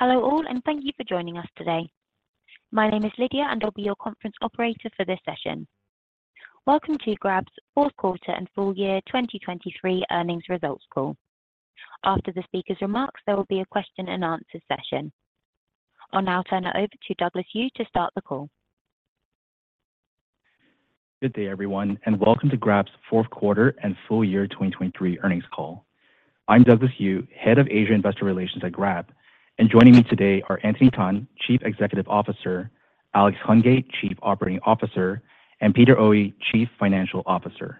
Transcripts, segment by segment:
Hello all, and thank you for joining us today. My name is Lydia, and I'll be your conference operator for this session. Welcome to Grab's fourth quarter and full year 2023 earnings results call. After the speaker's remarks, there will be a question and answer session. I'll now turn it over to Douglas Eu to start the call. Good day, everyone, and welcome to Grab's fourth quarter and full year 2023 earnings call. I'm Douglas Eu, Head of Asia Investor Relations at Grab, and joining me today are Anthony Tan, Chief Executive Officer, Alex Hungate, Chief Operating Officer, and Peter Oey, Chief Financial Officer.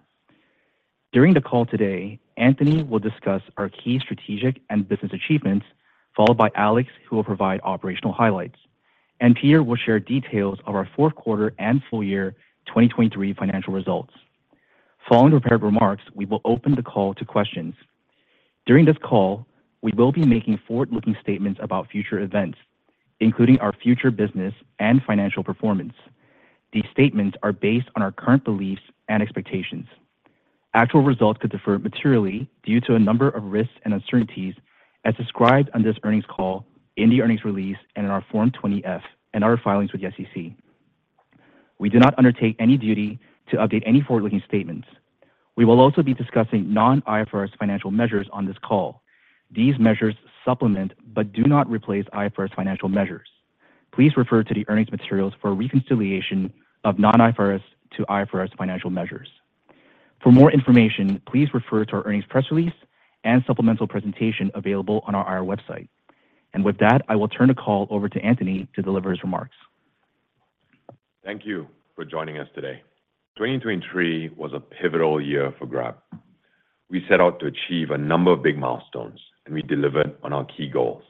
During the call today, Anthony will discuss our key strategic and business achievements, followed by Alex, who will provide operational highlights. Peter will share details of our fourth quarter and full year 2023 financial results. Following the prepared remarks, we will open the call to questions. During this call, we will be making forward-looking statements about future events, including our future business and financial performance. These statements are based on our current beliefs and expectations. Actual results could differ materially due to a number of risks and uncertainties as described on this earnings call, in the earnings release, and in our Form 20-F and other filings with the SEC. We do not undertake any duty to update any forward-looking statements. We will also be discussing non-IFRS financial measures on this call. These measures supplement but do not replace IFRS financial measures. Please refer to the earnings materials for a reconciliation of non-IFRS to IFRS financial measures. For more information, please refer to our earnings press release and supplemental presentation available on our IR website. With that, I will turn the call over to Anthony to deliver his remarks. Thank you for joining us today. 2023 was a pivotal year for Grab. We set out to achieve a number of big milestones, and we delivered on our key goals.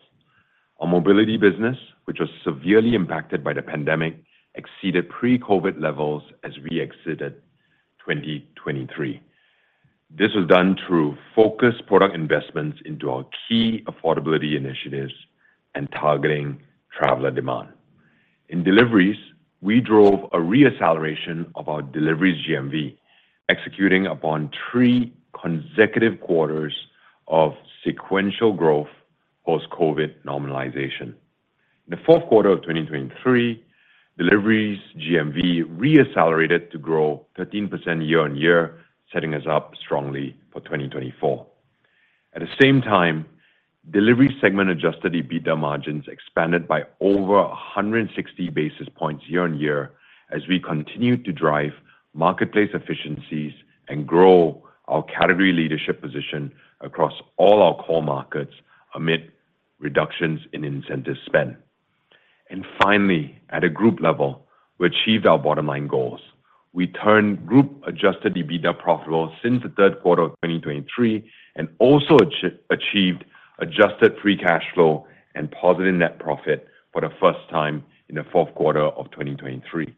Our mobility business, which was severely impacted by the pandemic, exceeded pre-COVID levels as we exited 2023. This was done through focused product investments into our key affordability initiatives and targeting traveler demand. In deliveries, we drove a re-acceleration of our deliveries GMV, executing upon three consecutive quarters of sequential growth post-COVID normalization. In the fourth quarter of 2023, deliveries GMV re-accelerated to grow 13% year-on-year, setting us up strongly for 2024. At the same time, delivery segment Adjusted EBITDA margins expanded by over 160 basis points year-on-year as we continued to drive marketplace efficiencies and grow our category leadership position across all our core markets amid reductions in incentive spend. Finally, at a group level, we achieved our bottom-line goals. We turned group Adjusted EBITDA profitable since the third quarter of 2023 and also achieved Adjusted Free Cash Flow and positive net profit for the first time in the fourth quarter of 2023.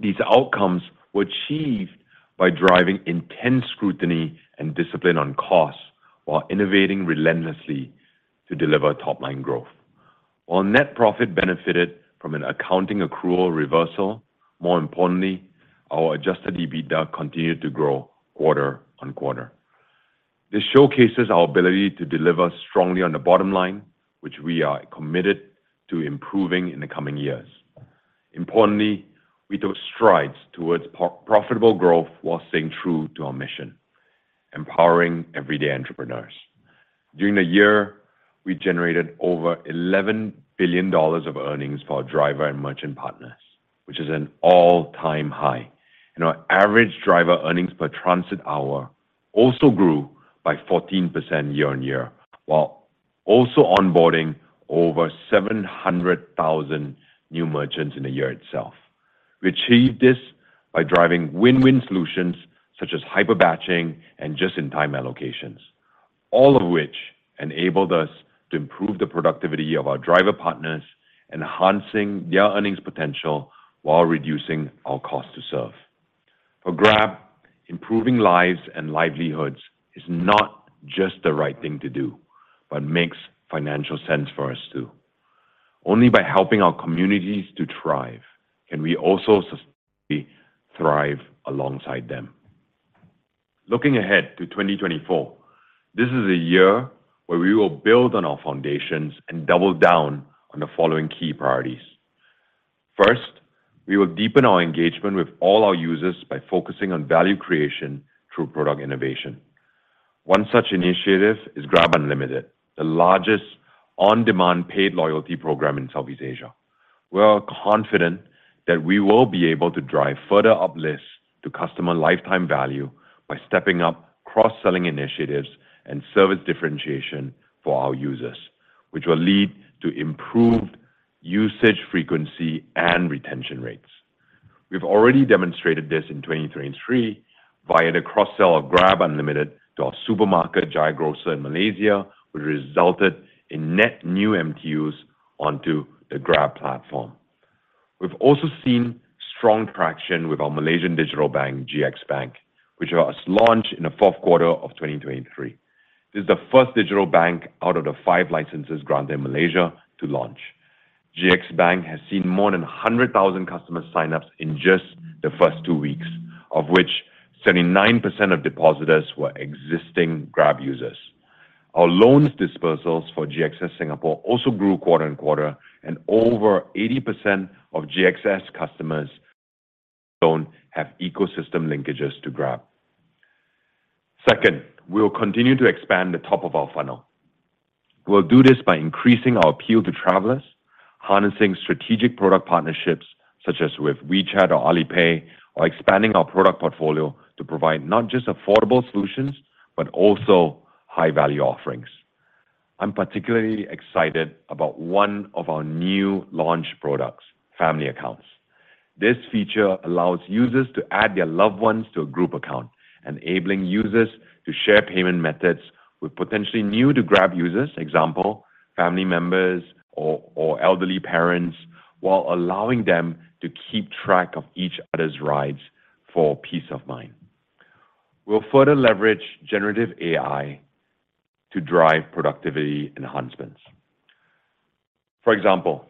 These outcomes were achieved by driving intense scrutiny and discipline on costs while innovating relentlessly to deliver top-line growth. While net profit benefited from an accounting accrual reversal, more importantly, our Adjusted EBITDA continued to grow quarter-on-quarter. This showcases our ability to deliver strongly on the bottom line, which we are committed to improving in the coming years. Importantly, we took strides towards profitable growth while staying true to our mission, empowering everyday entrepreneurs. During the year, we generated over $11 billion of earnings for our driver and merchant partners, which is an all-time high. Our average driver earnings per transit hour also grew by 14% year-on-year, while also onboarding over 700,000 new merchants in the year itself. We achieved this by driving win-win solutions such as Hyper Batching and Just-in-Time Allocation, all of which enabled us to improve the productivity of our driver partners, enhancing their earnings potential while reducing our cost to serve. For Grab, improving lives and livelihoods is not just the right thing to do, but makes financial sense for us, too. Only by helping our communities to thrive can we also sustainably thrive alongside them. Looking ahead to 2024, this is a year where we will build on our foundations and double down on the following key priorities. First, we will deepen our engagement with all our users by focusing on value creation through product innovation. One such initiative is GrabUnlimited, the largest on-demand paid loyalty program in Southeast Asia. We are confident that we will be able to drive further uplifts to customer lifetime value by stepping up cross-selling initiatives and service differentiation for our users, which will lead to improved usage, frequency, and retention rates. We've already demonstrated this in 2023 via the cross-sell of GrabUnlimited to our supermarket, Jaya Grocer in Malaysia, which resulted in net new MTUs onto the Grab platform. We've also seen strong traction with our Malaysian digital bank, GXBank, which was launched in the fourth quarter of 2023. This is the first digital bank out of the five licenses granted in Malaysia to launch. GXBank has seen more than 100,000 customer sign-ups in just the first two weeks, of which 79% of depositors were existing Grab users. Our loan disbursals for GXS Bank also grew quarter-over-quarter, and over 80% of GXS customers don't have ecosystem linkages to Grab. Second, we will continue to expand the top of our funnel. We'll do this by increasing our appeal to travelers, harnessing strategic product partnerships, such as with WeChat or Alipay, or expanding our product portfolio to provide not just affordable solutions, but also high-value offerings. I'm particularly excited about one of our new launch products, Family Accounts. This feature allows users to add their loved ones to a group account, enabling users to share payment methods with potentially new-to-Grab users, example, family members or elderly parents, while allowing them to keep track of each other's rides for peace of mind. We'll further leverage generative AI to drive productivity enhancements. For example,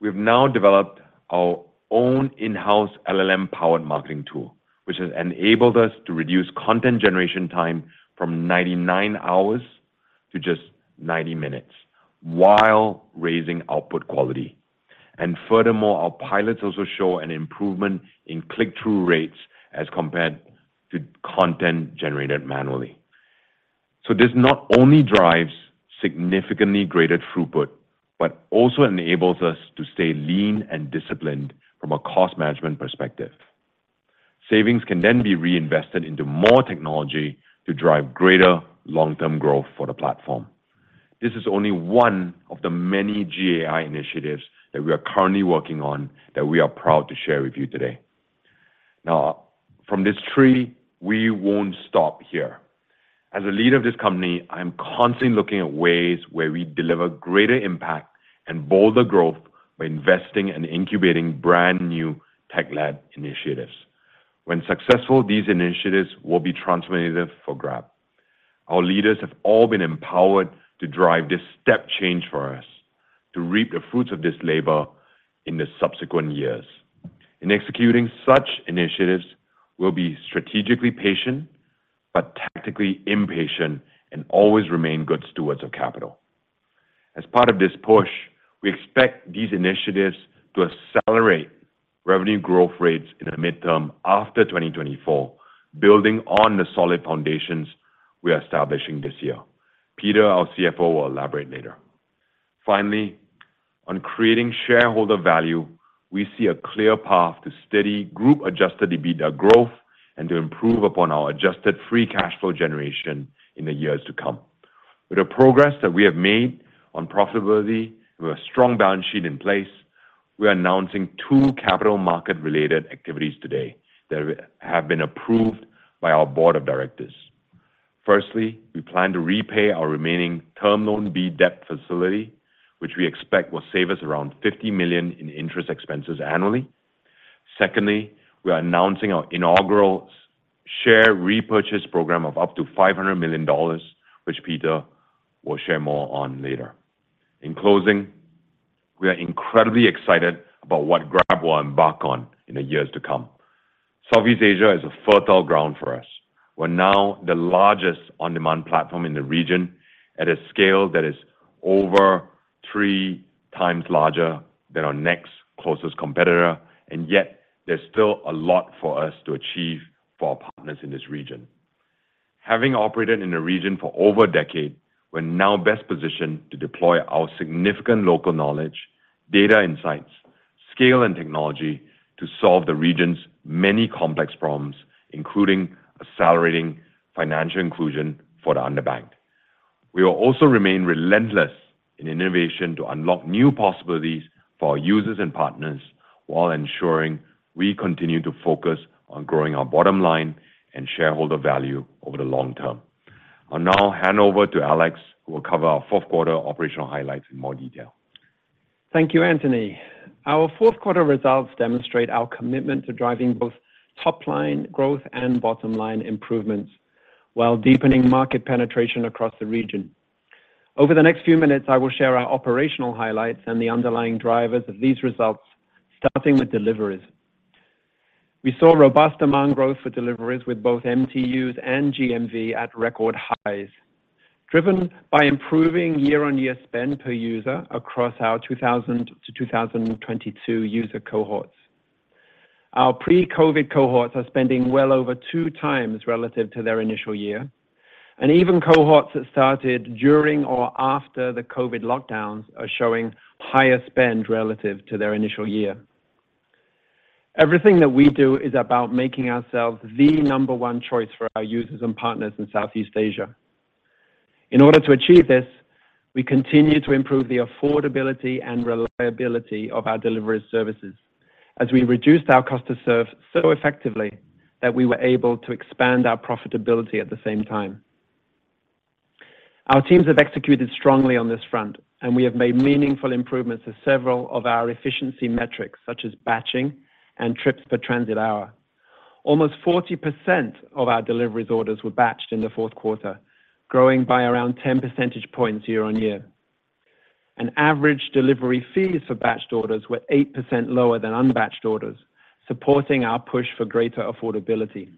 we've now developed our own in-house LLM-powered marketing tool, which has enabled us to reduce content generation time from 99 hours to just 90 minutes while raising output quality. And furthermore, our pilots also show an improvement in click-through rates as compared to content generated manually. So this not only drives significantly greater throughput, but also enables us to stay lean and disciplined from a cost management perspective. Savings can then be reinvested into more technology to drive greater long-term growth for the platform. This is only one of the many GAI initiatives that we are currently working on, that we are proud to share with you today. Now, from this tree, we won't stop here. As the leader of this company, I am constantly looking at ways where we deliver greater impact and bolder growth by investing and incubating brand-new tech-led initiatives. When successful, these initiatives will be transformative for Grab. Our leaders have all been empowered to drive this step change for us, to reap the fruits of this labor in the subsequent years. In executing such initiatives, we'll be strategically patient, but tactically impatient, and always remain good stewards of capital. As part of this push, we expect these initiatives to accelerate revenue growth rates in the midterm after 2024, building on the solid foundations we are establishing this year. Peter, our CFO, will elaborate later. Finally, on creating shareholder value, we see a clear path to steady group Adjusted EBITDA growth and to improve upon our Adjusted Free Cash Flow generation in the years to come. With the progress that we have made on profitability, with a strong balance sheet in place, we are announcing two capital market-related activities today that have been approved by our board of directors. Firstly, we plan to repay our remaining Term Loan B debt facility, which we expect will save us around $50 million in interest expenses annually. Secondly, we are announcing our inaugural share repurchase program of up to $500 million, which Peter will share more on later. In closing, we are incredibly excited about what Grab will embark on in the years to come. Southeast Asia is a fertile ground for us. We're now the largest on-demand platform in the region at a scale that is over three times larger than our next closest competitor, and yet there's still a lot for us to achieve for our partners in this region. Having operated in the region for over a decade, we're now best positioned to deploy our significant local knowledge, data insights, scale, and technology to solve the region's many complex problems, including accelerating financial inclusion for the underbanked. We will also remain relentless in innovation to unlock new possibilities for our users and partners, while ensuring we continue to focus on growing our bottom line and shareholder value over the long term. I'll now hand over to Alex, who will cover our fourth quarter operational highlights in more detail. Thank you, Anthony. Our fourth quarter results demonstrate our commitment to driving both top-line growth and bottom-line improvements while deepening market penetration across the region. Over the next few minutes, I will share our operational highlights and the underlying drivers of these results, starting with deliveries. We saw robust demand growth for deliveries, with both MTUs and GMV at record highs, driven by improving year-on-year spend per user across our 2000-2022 user cohorts. Our pre-COVID cohorts are spending well over 2x relative to their initial year, and even cohorts that started during or after the COVID lockdowns are showing higher spend relative to their initial year. Everything that we do is about making ourselves the number one choice for our users and partners in Southeast Asia. In order to achieve this, we continue to improve the affordability and reliability of our delivery services as we reduced our cost to serve so effectively that we were able to expand our profitability at the same time. Our teams have executed strongly on this front, and we have made meaningful improvements to several of our efficiency metrics, such as batching and trips per transit hour. Almost 40% of our delivery orders were batched in the fourth quarter, growing by around 10 percentage points year-on-year. Average delivery fees for batched orders were 8% lower than unbatched orders, supporting our push for greater affordability.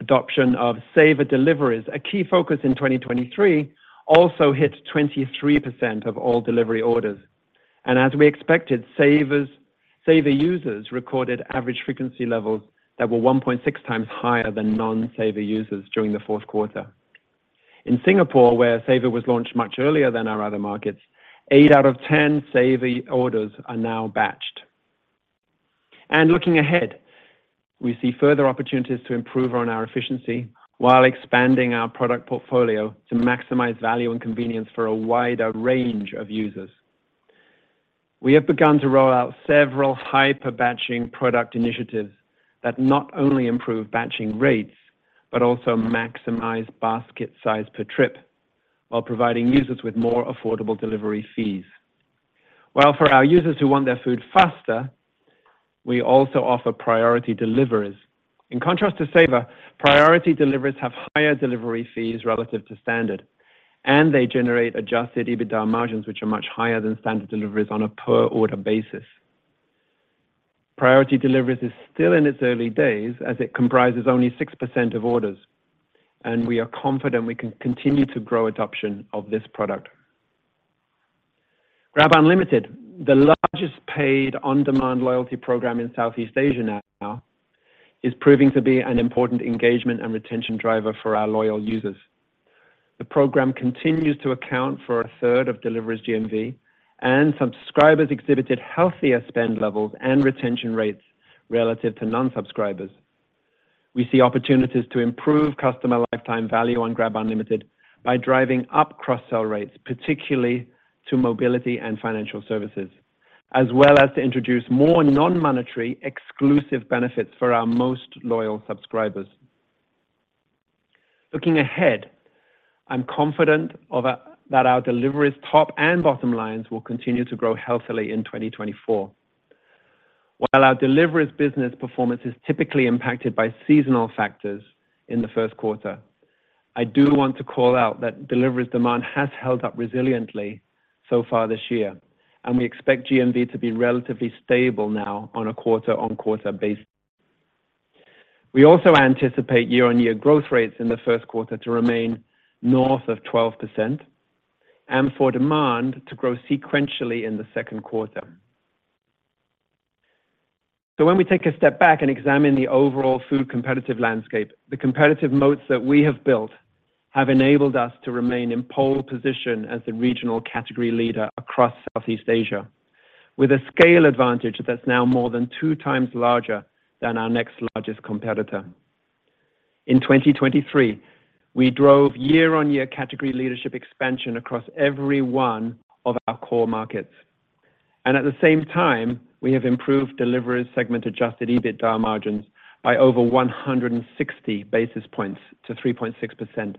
Adoption of Saver deliveries, a key focus in 2023, also hit 23% of all delivery orders. As we expected, Saver users recorded average frequency levels that were 1.6 times higher than non-Saver users during the fourth quarter. In Singapore, where Saver was launched much earlier than our other markets, eight out of ten Saver orders are now batched. Looking ahead, we see further opportunities to improve on our efficiency while expanding our product portfolio to maximize value and convenience for a wider range of users. We have begun to roll out several Hyper Batching product initiatives that not only improve batching rates, but also maximize basket size per trip, while providing users with more affordable delivery fees. While for our users who want their food faster, we also offer priority deliveries. In contrast to Saver, priority deliveries have higher delivery fees relative to standard, and they generate Adjusted EBITDA margins, which are much higher than standard deliveries on a per-order basis. Priority deliveries is still in its early days, as it comprises only 6% of orders, and we are confident we can continue to grow adoption of this product. GrabUnlimited, the largest paid on-demand loyalty program in Southeast Asia now, is proving to be an important engagement and retention driver for our loyal users. The program continues to account for a third of deliveries GMV, and subscribers exhibited healthier spend levels and retention rates relative to non-subscribers. We see opportunities to improve customer lifetime value on GrabUnlimited by driving up cross-sell rates, particularly to mobility and financial services, as well as to introduce more non-monetary, exclusive benefits for our most loyal subscribers. Looking ahead, I'm confident that our deliveries top and bottom lines will continue to grow healthily in 2024. While our deliveries business performance is typically impacted by seasonal factors in the first quarter, I do want to call out that deliveries demand has held up resiliently so far this year, and we expect GMV to be relatively stable now on a quarter-on-quarter basis. We also anticipate year-on-year growth rates in the first quarter to remain north of 12% and for demand to grow sequentially in the second quarter. So when we take a step back and examine the overall food competitive landscape, the competitive moats that we have built have enabled us to remain in pole position as the regional category leader across Southeast Asia, with a scale advantage that's now more than two times larger than our next largest competitor. In 2023, we drove year-on-year category leadership expansion across every one of our core markets. At the same time, we have improved delivery segment djusted EBITDA margins by over 160 basis points to 3.6%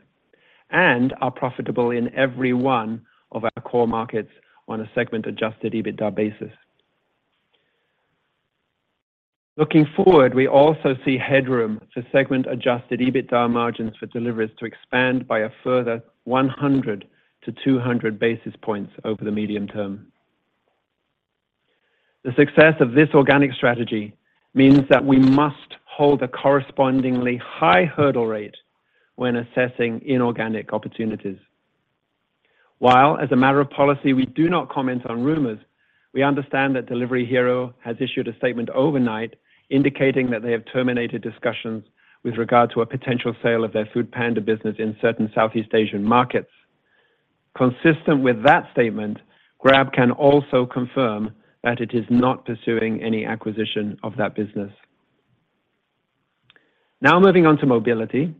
and are profitable in every one of our core markets on a segment Adjusted EBITDA basis. Looking forward, we also see headroom to segment Adjusted EBITDA margins for deliveries to expand by a further 100-200 basis points over the medium term. The success of this organic strategy means that we must hold a correspondingly high hurdle rate when assessing inorganic opportunities. While, as a matter of policy, we do not comment on rumors, we understand that Delivery Hero has issued a statement overnight indicating that they have terminated discussions with regard to a potential sale of their Foodpanda business in certain Southeast Asian markets. Consistent with that statement, Grab can also confirm that it is not pursuing any acquisition of that business. Now moving on to Mobility.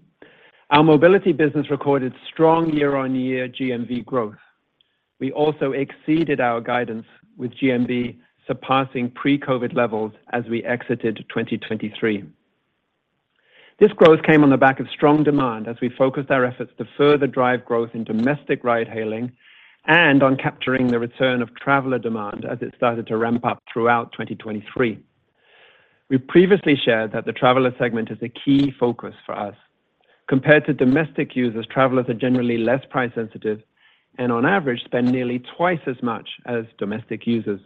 Our Mobility business recorded strong year-on-year GMV growth. We also exceeded our guidance, with GMV surpassing pre-COVID levels as we exited 2023. This growth came on the back of strong demand as we focused our efforts to further drive growth in domestic ride-hailing and on capturing the return of traveler demand as it started to ramp up throughout 2023. We previously shared that the traveler segment is a key focus for us. Compared to domestic users, travelers are generally less price sensitive and on average, spend nearly twice as much as domestic users.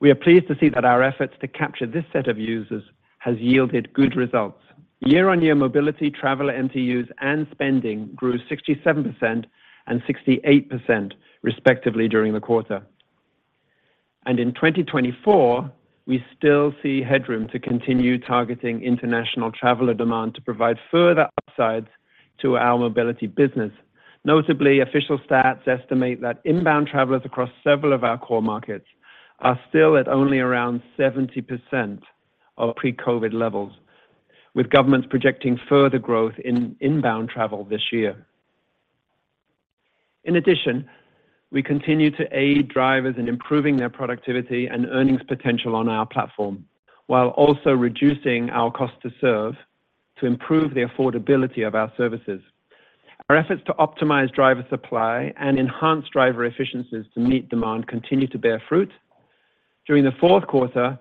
We are pleased to see that our efforts to capture this set of users has yielded good results. Year-on-year, Mobility, traveler, MTUs, and spending grew 67% and 68%, respectively, during the quarter. In 2024, we still see headroom to continue targeting international traveler demand to provide further upsides to our Mobility business. Notably, official stats estimate that inbound travelers across several of our core markets are still at only around 70% of pre-COVID levels, with governments projecting further growth in inbound travel this year. In addition, we continue to aid drivers in improving their productivity and earnings potential on our platform, while also reducing our cost to serve to improve the affordability of our services. Our efforts to optimize driver supply and enhance driver efficiencies to meet demand continue to bear fruit. During the fourth quarter,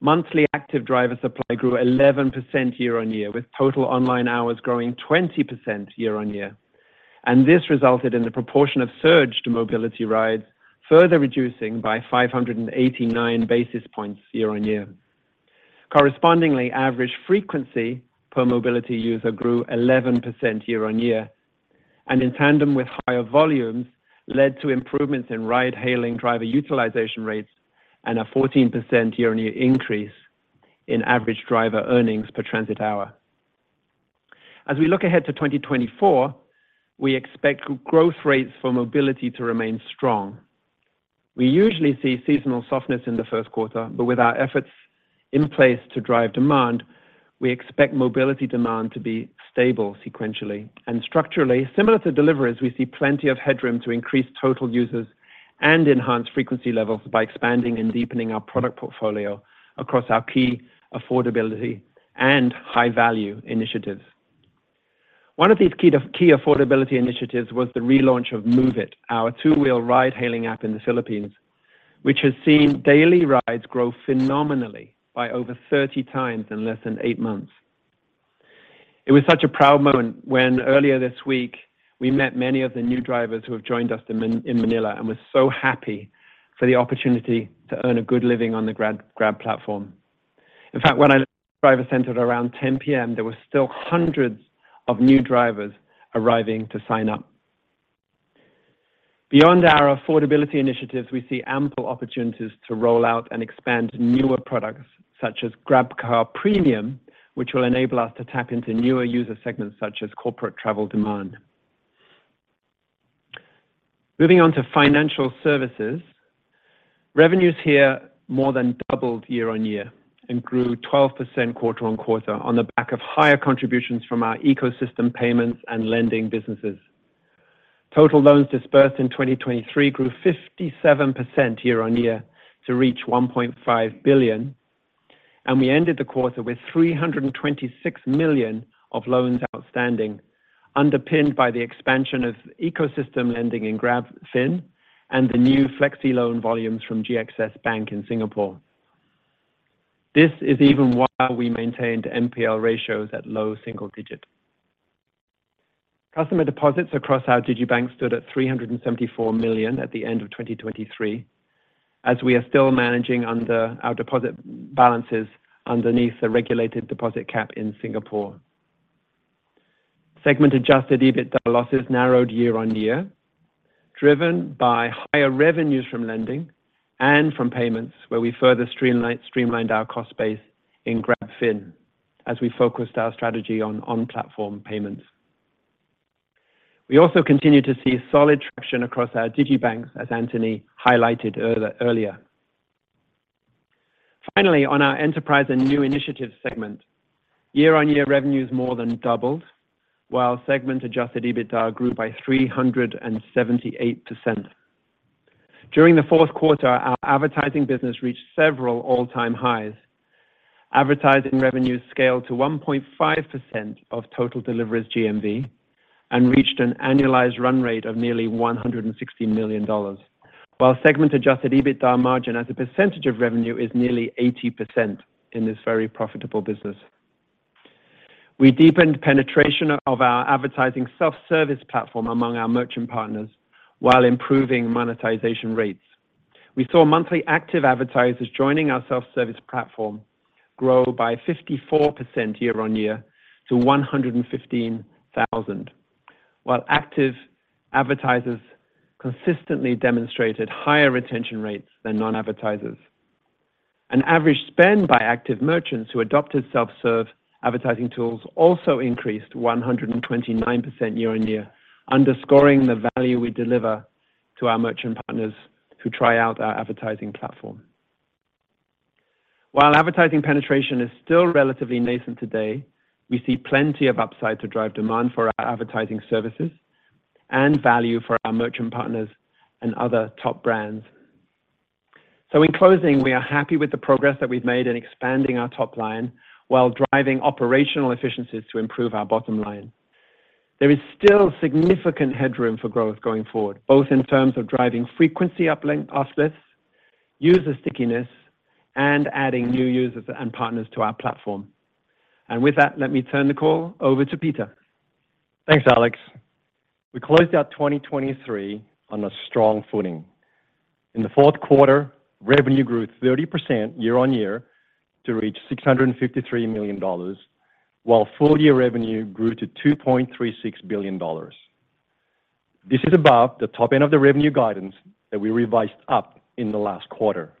monthly active driver supply grew 11% year-on-year, with total online hours growing 20% year-on-year. This resulted in the proportion of surge to mobility rides further reducing by 589 basis points year-on-year. Correspondingly, average frequency per mobility user grew 11% year-on-year, and in tandem with higher volumes, led to improvements in ride-hailing driver utilization rates and a 14% year-on-year increase in average driver earnings per transit hour. As we look ahead to 2024, we expect growth rates for mobility to remain strong. We usually see seasonal softness in the first quarter, but with our efforts in place to drive demand, we expect mobility demand to be stable sequentially and structurally. Similar to deliveries, we see plenty of headroom to increase total users and enhance frequency levels by expanding and deepening our product portfolio across our key affordability and high-value initiatives. One of these key affordability initiatives was the relaunch of MOVE IT, our two-wheel ride-hailing app in the Philippines, which has seen daily rides grow phenomenally by over 30 times in less than 8 months. It was such a proud moment when earlier this week we met many of the new drivers who have joined us in Manila and were so happy for the opportunity to earn a good living on the Grab platform. In fact, when I drove in centered around 10 P.M., there were still hundreds of new drivers arriving to sign up. Beyond our affordability initiatives, we see ample opportunities to roll out and expand newer products, such as GrabCar Premium, which will enable us to tap into newer user segments, such as corporate travel demand. Moving on to financial services. Revenues here more than doubled year-on-year and grew 12% quarter-on-quarter on the back of higher contributions from our ecosystem payments and lending businesses. Total loans disbursed in 2023 grew 57% year-on-year to reach $1.5 billion, and we ended the quarter with $326 million of loans outstanding, underpinned by the expansion of ecosystem lending in GrabFin and the new FlexiLoan volumes from GXS Bank in Singapore. This is even while we maintained NPL ratios at low single digit. Customer deposits across our digibanks stood at $374 million at the end of 2023, as we are still managing under our deposit balances underneath the regulated deposit cap in Singapore. Segment Adjusted EBITDA losses narrowed year-on-year, driven by higher revenues from lending and from payments, where we further streamlined our cost base in GrabFin as we focused our strategy on on-platform payments. We also continued to see solid traction across our digibanks, as Anthony highlighted earlier. Finally, on our enterprise and new initiatives segment, year-on-year revenues more than doubled, while segment Adjusted EBITDA grew by 378%. During the fourth quarter, our advertising business reached several all-time highs. Advertising revenues scaled to 1.5% of total deliveries GMV and reached an annualized run rate of nearly $160 million, while segment Adjusted EBITDA margin as a percentage of revenue is nearly 80% in this very profitable business. We deepened penetration of our advertising self-service platform among our merchant partners while improving monetization rates. We saw monthly active advertisers joining our self-service platform grow by 54% year-on-year to 115,000, while active advertisers consistently demonstrated higher retention rates than non-advertisers. An average spend by active merchants who adopted self-serve advertising tools also increased 129% year-on-year, underscoring the value we deliver to our merchant partners who try out our advertising platform. While advertising penetration is still relatively nascent today, we see plenty of upside to drive demand for our advertising services and value for our merchant partners and other top brands. So in closing, we are happy with the progress that we've made in expanding our top line while driving operational efficiencies to improve our bottom line. There is still significant headroom for growth going forward, both in terms of driving frequency and LTV uplifts, user stickiness, and adding new users and partners to our platform. With that, let me turn the call over to Peter. Thanks, Alex. We closed out 2023 on a strong footing. In the fourth quarter, revenue grew 30% year-on-year to reach $653 million, while full-year revenue grew to $2.36 billion. This is above the top end of the revenue guidance that we revised up in the last quarter.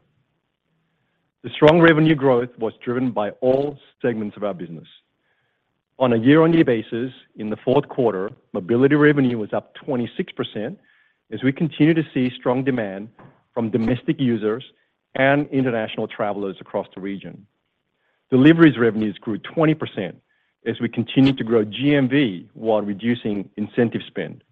The strong revenue growth was driven by all segments of our business. On a year-on-year basis, in the fourth quarter, mobility revenue was up 26% as we continue to see strong demand from domestic users and international travelers across the region. Deliveries revenues grew 20% as we continued to grow GMV while reducing incentive spend.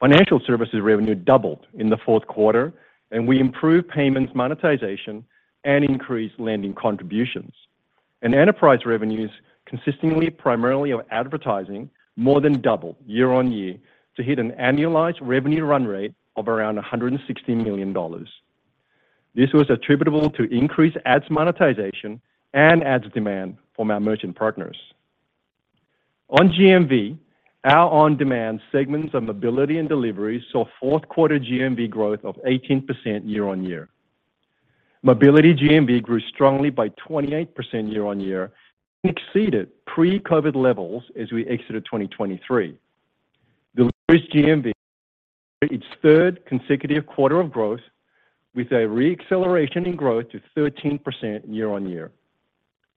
Financial services revenue doubled in the fourth quarter, and we improved payments monetization and increased lending contributions. Enterprise revenues, consisting primarily of advertising, more than doubled year-on-year to hit an annualized revenue run rate of around $160 million. This was attributable to increased ads monetization and ads demand from our merchant partners. On GMV, our on-demand segments of Mobility and Delivery saw fourth quarter GMV growth of 18% year-on-year. Mobility GMV grew strongly by 28% year-on-year and exceeded pre-COVID levels as we exited 2023. Deliveries GMV, its third consecutive quarter of growth, with a re-acceleration in growth to 13% year-on-year.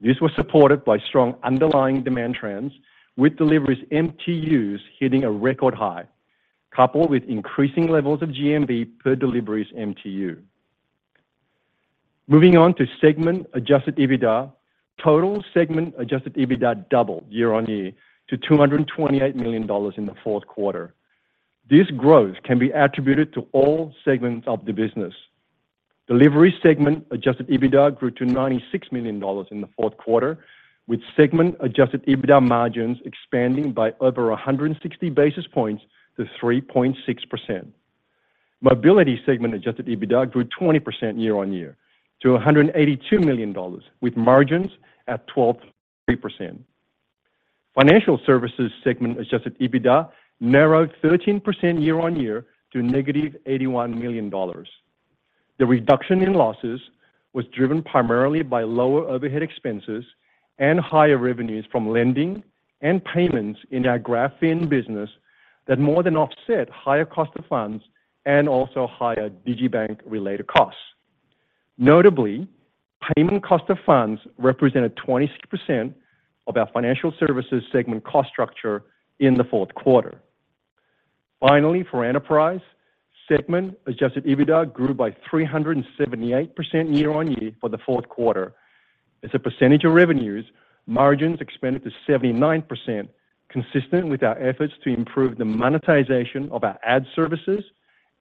This was supported by strong underlying demand trends, with Deliveries MTUs hitting a record high, coupled with increasing levels of GMV per Deliveries MTU. Moving on to Segment Adjusted EBITDA. Total Segment Adjusted EBITDA doubled year-on-year to $228 million in the fourth quarter. This growth can be attributed to all segments of the business. Delivery segment Adjusted EBITDA grew to $96 million in the fourth quarter, with segment Adjusted EBITDA margins expanding by over 160 basis points to 3.6%. Mobility segment Adjusted EBITDA grew 20% year-on-year to $182 million, with margins at 12.3%. Financial services segment Adjusted EBITDA narrowed 13% year-on-year to -$81 million. The reduction in losses was driven primarily by lower overhead expenses and higher revenues from lending and payments in our GrabFin business that more than offset higher cost of funds and also higher digital bank-related costs. Notably, payment cost of funds represented 26% of our financial services segment cost structure in the fourth quarter. Finally, for enterprise, segment Adjusted EBITDA grew by 378% year-on-year for the fourth quarter. As a percentage of revenues, margins expanded to 79%, consistent with our efforts to improve the monetization of our ad services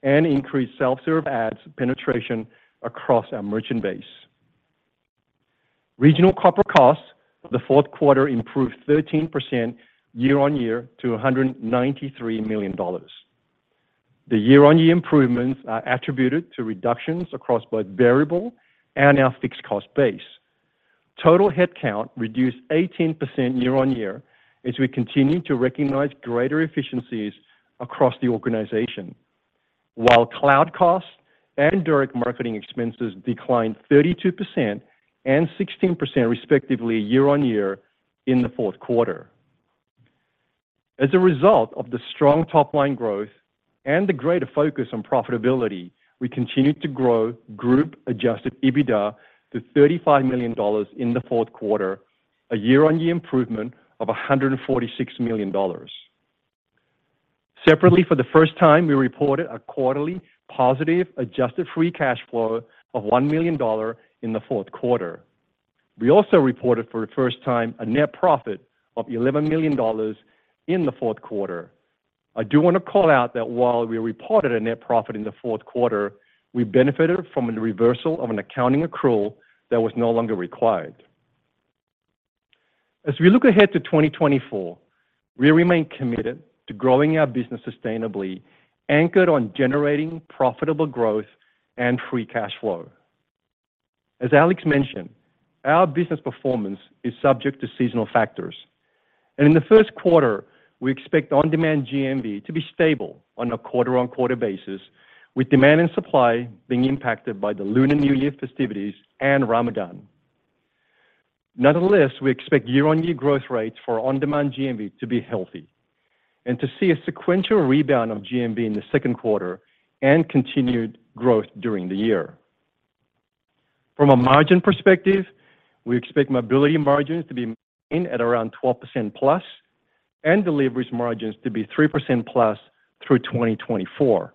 and increase self-serve ads penetration across our merchant base. Regional corporate costs for the fourth quarter improved 13% year-on-year to $193 million. The year-on-year improvements are attributed to reductions across both variable and our fixed cost base. Total headcount reduced 18% year-on-year as we continue to recognize greater efficiencies across the organization, while cloud costs and direct marketing expenses declined 32% and 16% respectively year-on-year in the fourth quarter. As a result of the strong top-line growth and the greater focus on profitability, we continued to grow group Adjusted EBITDA to $35 million in the fourth quarter, a year-on-year improvement of $146 million. Separately, for the first time, we reported a quarterly positive adjusted free cash flow of $1 million in the fourth quarter. We also reported for the first time a net profit of $11 million in the fourth quarter. I do want to call out that while we reported a net profit in the fourth quarter, we benefited from the reversal of an accounting accrual that was no longer required. As we look ahead to 2024, we remain committed to growing our business sustainably, anchored on generating profitable growth and free cash flow. As Alex mentioned, our business performance is subject to seasonal factors, and in the first quarter, we expect on-demand GMV to be stable on a quarter-on-quarter basis, with demand and supply being impacted by the Lunar New Year festivities and Ramadan. Nonetheless, we expect year-on-year growth rates for on-demand GMV to be healthy and to see a sequential rebound of GMV in the second quarter and continued growth during the year. From a margin perspective, we expect Mobility margins to be maintained at around 12%+ and Deliveries margins to be 3%+ through 2024.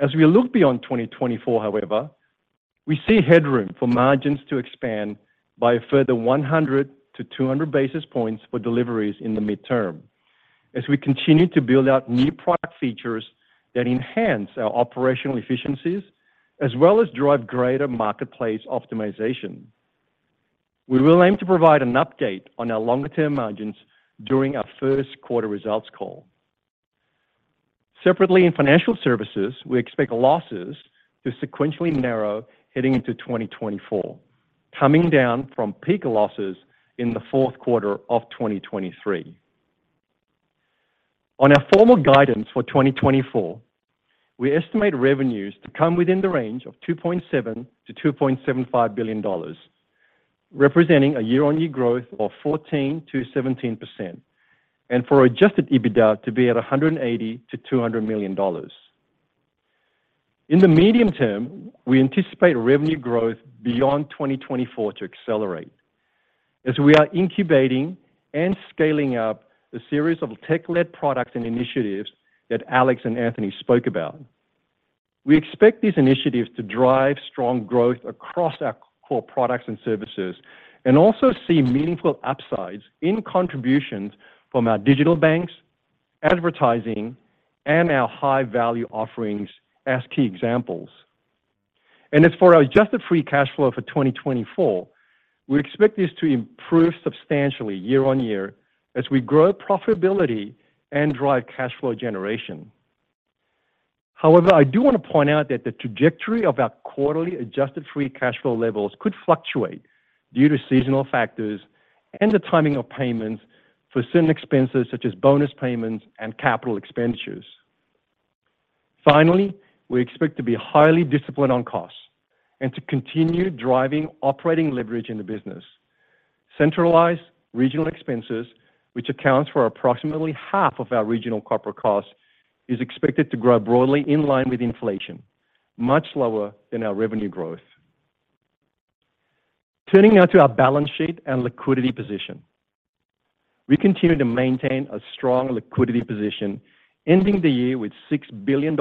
As we look beyond 2024, however, we see headroom for margins to expand by a further 100-200 basis points for deliveries in the midterm as we continue to build out new product features that enhance our operational efficiencies, as well as drive greater marketplace optimization. We will aim to provide an update on our longer-term margins during our first quarter results call. Separately, in financial services, we expect losses to sequentially narrow heading into 2024, coming down from peak losses in the fourth quarter of 2023. On our formal guidance for 2024, we estimate revenues to come within the range of $2.7 billion-$2.75 billion, representing a year-on-year growth of 14%-17%, and for Adjusted EBITDA to be at $180 million-$200 million. In the medium term, we anticipate revenue growth beyond 2024 to accelerate as we are incubating and scaling up a series of tech-led products and initiatives that Alex and Anthony spoke about. We expect these initiatives to drive strong growth across our core products and services and also see meaningful upsides in contributions from our digital banks, advertising, and our high-value offerings as key examples. As for our adjusted free cash flow for 2024, we expect this to improve substantially year-on-year as we grow profitability and drive cash flow generation. However, I do want to point out that the trajectory of our quarterly Adjusted Free Cash Flow levels could fluctuate due to seasonal factors and the timing of payments for certain expenses, such as bonus payments and capital expenditures. Finally, we expect to be highly disciplined on costs and to continue driving operating leverage in the business. Centralized regional expenses, which accounts for approximately half of our regional corporate costs, is expected to grow broadly in line with inflation, much lower than our revenue growth. Turning now to our balance sheet and liquidity position. We continue to maintain a strong liquidity position, ending the year with $6 billion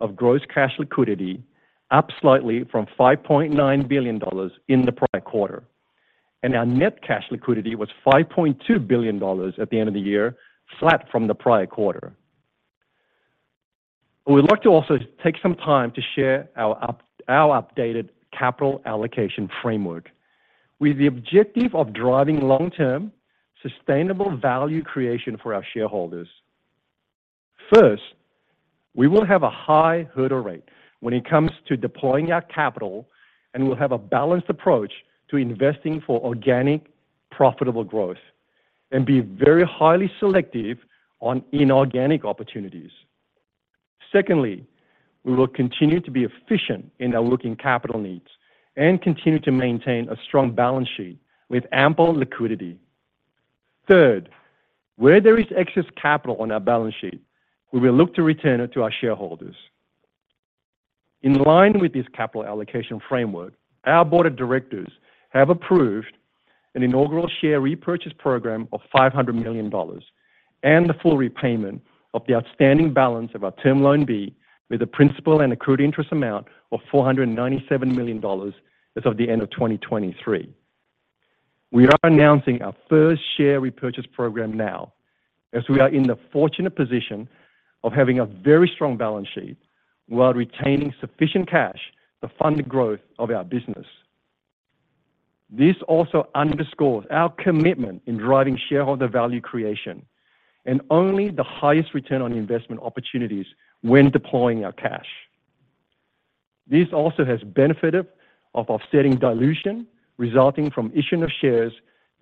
of gross cash liquidity, up slightly from $5.9 billion in the prior quarter, and our net cash liquidity was $5.2 billion at the end of the year, flat from the prior quarter. We'd like to also take some time to share our updated capital allocation framework with the objective of driving long-term, sustainable value creation for our shareholders. First, we will have a high hurdle rate when it comes to deploying our capital, and we'll have a balanced approach to investing for organic, profitable growth and be very highly selective on inorganic opportunities. Secondly, we will continue to be efficient in our working capital needs and continue to maintain a strong balance sheet with ample liquidity. Third, where there is excess capital on our balance sheet, we will look to return it to our shareholders. In line with this capital allocation framework, our board of directors have approved an inaugural share repurchase program of $500 million and the full repayment of the outstanding balance of our Term Loan B, with a principal and accrued interest amount of $497 million as of the end of 2023. We are announcing our first share repurchase program now, as we are in the fortunate position of having a very strong balance sheet while retaining sufficient cash to fund the growth of our business. This also underscores our commitment in driving shareholder value creation and only the highest return on investment opportunities when deploying our cash. This also has benefited of offsetting dilution resulting from issuing of shares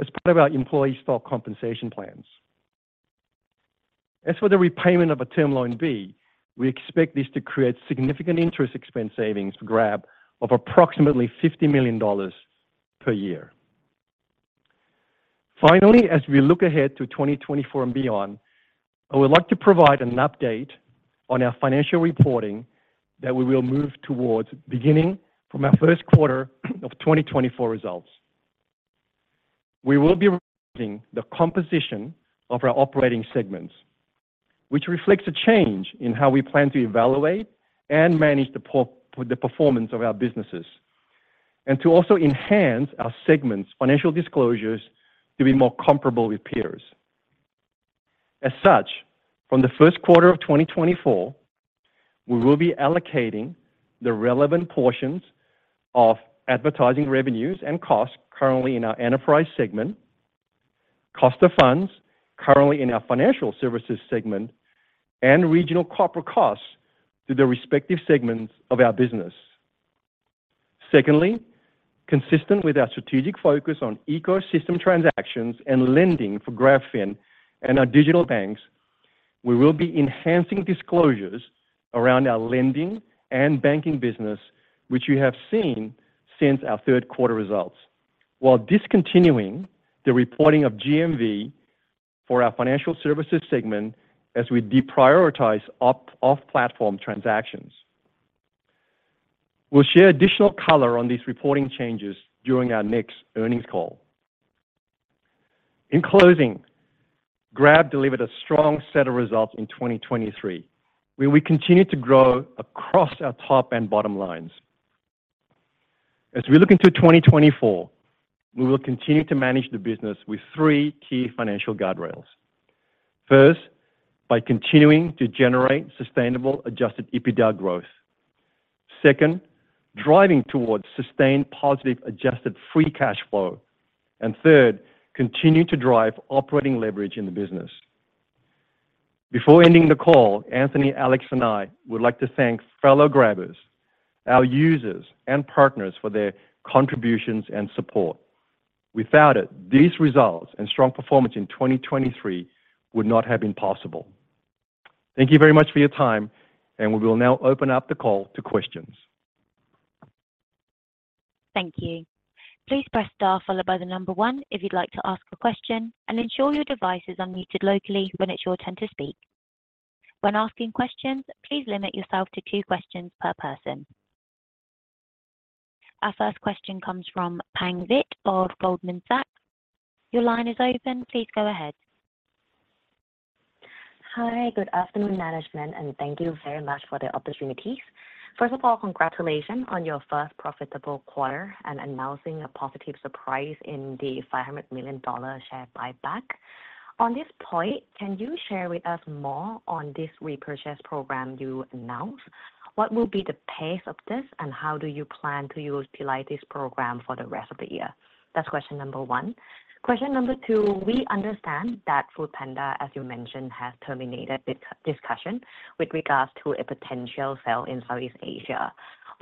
as part of our employee stock compensation plans. As for the repayment of a Term Loan B, we expect this to create significant interest expense savings for Grab of approximately $50 million per year. Finally, as we look ahead to 2024 and beyond, I would like to provide an update on our financial reporting that we will move towards beginning from our first quarter of 2024 results. We will be reporting the composition of our operating segments, which reflects a change in how we plan to evaluate and manage the performance of our businesses, and to also enhance our segments' financial disclosures to be more comparable with peers. As such, from the first quarter of 2024, we will be allocating the relevant portions of advertising revenues and costs currently in our enterprise segment, cost of funds currently in our financial services segment, and regional corporate costs to the respective segments of our business. Secondly, consistent with our strategic focus on ecosystem transactions and lending for GrabFin and our digital banks, we will be enhancing disclosures around our lending and banking business, which you have seen since our third quarter results, while discontinuing the reporting of GMV for our financial services segment as we deprioritize off-platform transactions. We'll share additional color on these reporting changes during our next earnings call. In closing, Grab delivered a strong set of results in 2023, where we continued to grow across our top and bottom lines. As we look into 2024, we will continue to manage the business with three key financial guardrails. First, by continuing to generate sustainable Adjusted EBITDA growth. Second, driving towards sustained positive Adjusted Free Cash Flow. And third, continue to drive operating leverage in the business. Before ending the call, Anthony, Alex, and I would like to thank fellow Grabbers, our users, and partners for their contributions and support. Without it, these results and strong performance in 2023 would not have been possible. Thank you very much for your time, and we will now open up the call to questions. Thank you. Please press star followed by the number one if you'd like to ask a question, and ensure your device is unmuted locally when it's your turn to speak. When asking questions, please limit yourself to two questions per person. Our first question comes from Pang Vitt of Goldman Sachs. Your line is open. Please go ahead. Hi. Good afternoon, management, and thank you very much for the opportunities. First of all, congratulations on your first profitable quarter and announcing a positive surprise in the $500 million share buyback. On this point, can you share with us more on this repurchase program you announced? What will be the pace of this, and how do you plan to utilize this program for the rest of the year? That's question number one. Question number two, we understand that Foodpanda, as you mentioned, has terminated the discussion with regards to a potential sale in Southeast Asia.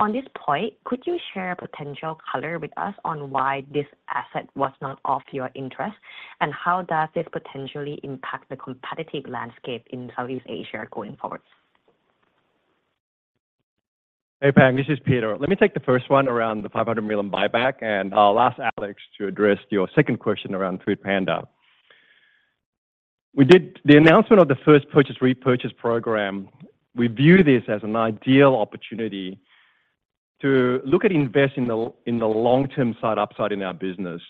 On this point, could you share potential color with us on why this asset was not of your interest, and how does this potentially impact the competitive landscape in Southeast Asia going forward? Hey, Pang, this is Peter. Let me take the first one around the $500 million buyback, and I'll ask Alex to address your second question around Foodpanda. The announcement of the first purchase repurchase program, we view this as an ideal opportunity to look at investing in the long-term side upside in our business,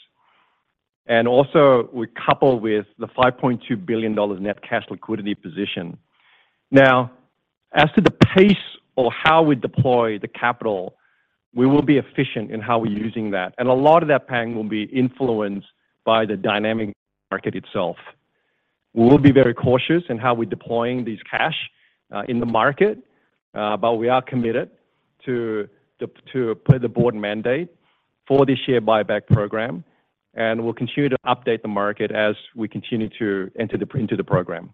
and also we couple with the $5.2 billion net cash liquidity position. Now, as to the pace or how we deploy the capital, we will be efficient in how we're using that, and a lot of that, Pang, will be influenced by the dynamic market itself. We will be very cautious in how we're deploying this cash in the market, but we are committed per the board mandate for this share buyback program, and we'll continue to update the market as we continue to enter into the program.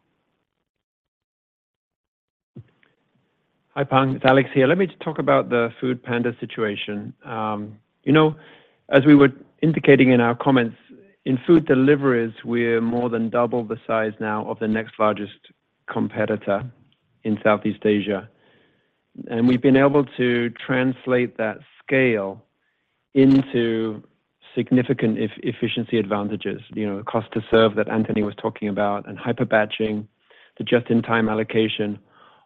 Hi, Pang, it's Alex here. Let me just talk about the Foodpanda situation. You know, as we were indicating in our comments, in food deliveries, we're more than double the size now of the next largest competitor in Southeast Asia. We've been able to translate that scale into significant efficiency advantages. You know, cost to serve that Anthony was talking about and hyper batching, the just-in-time allocation.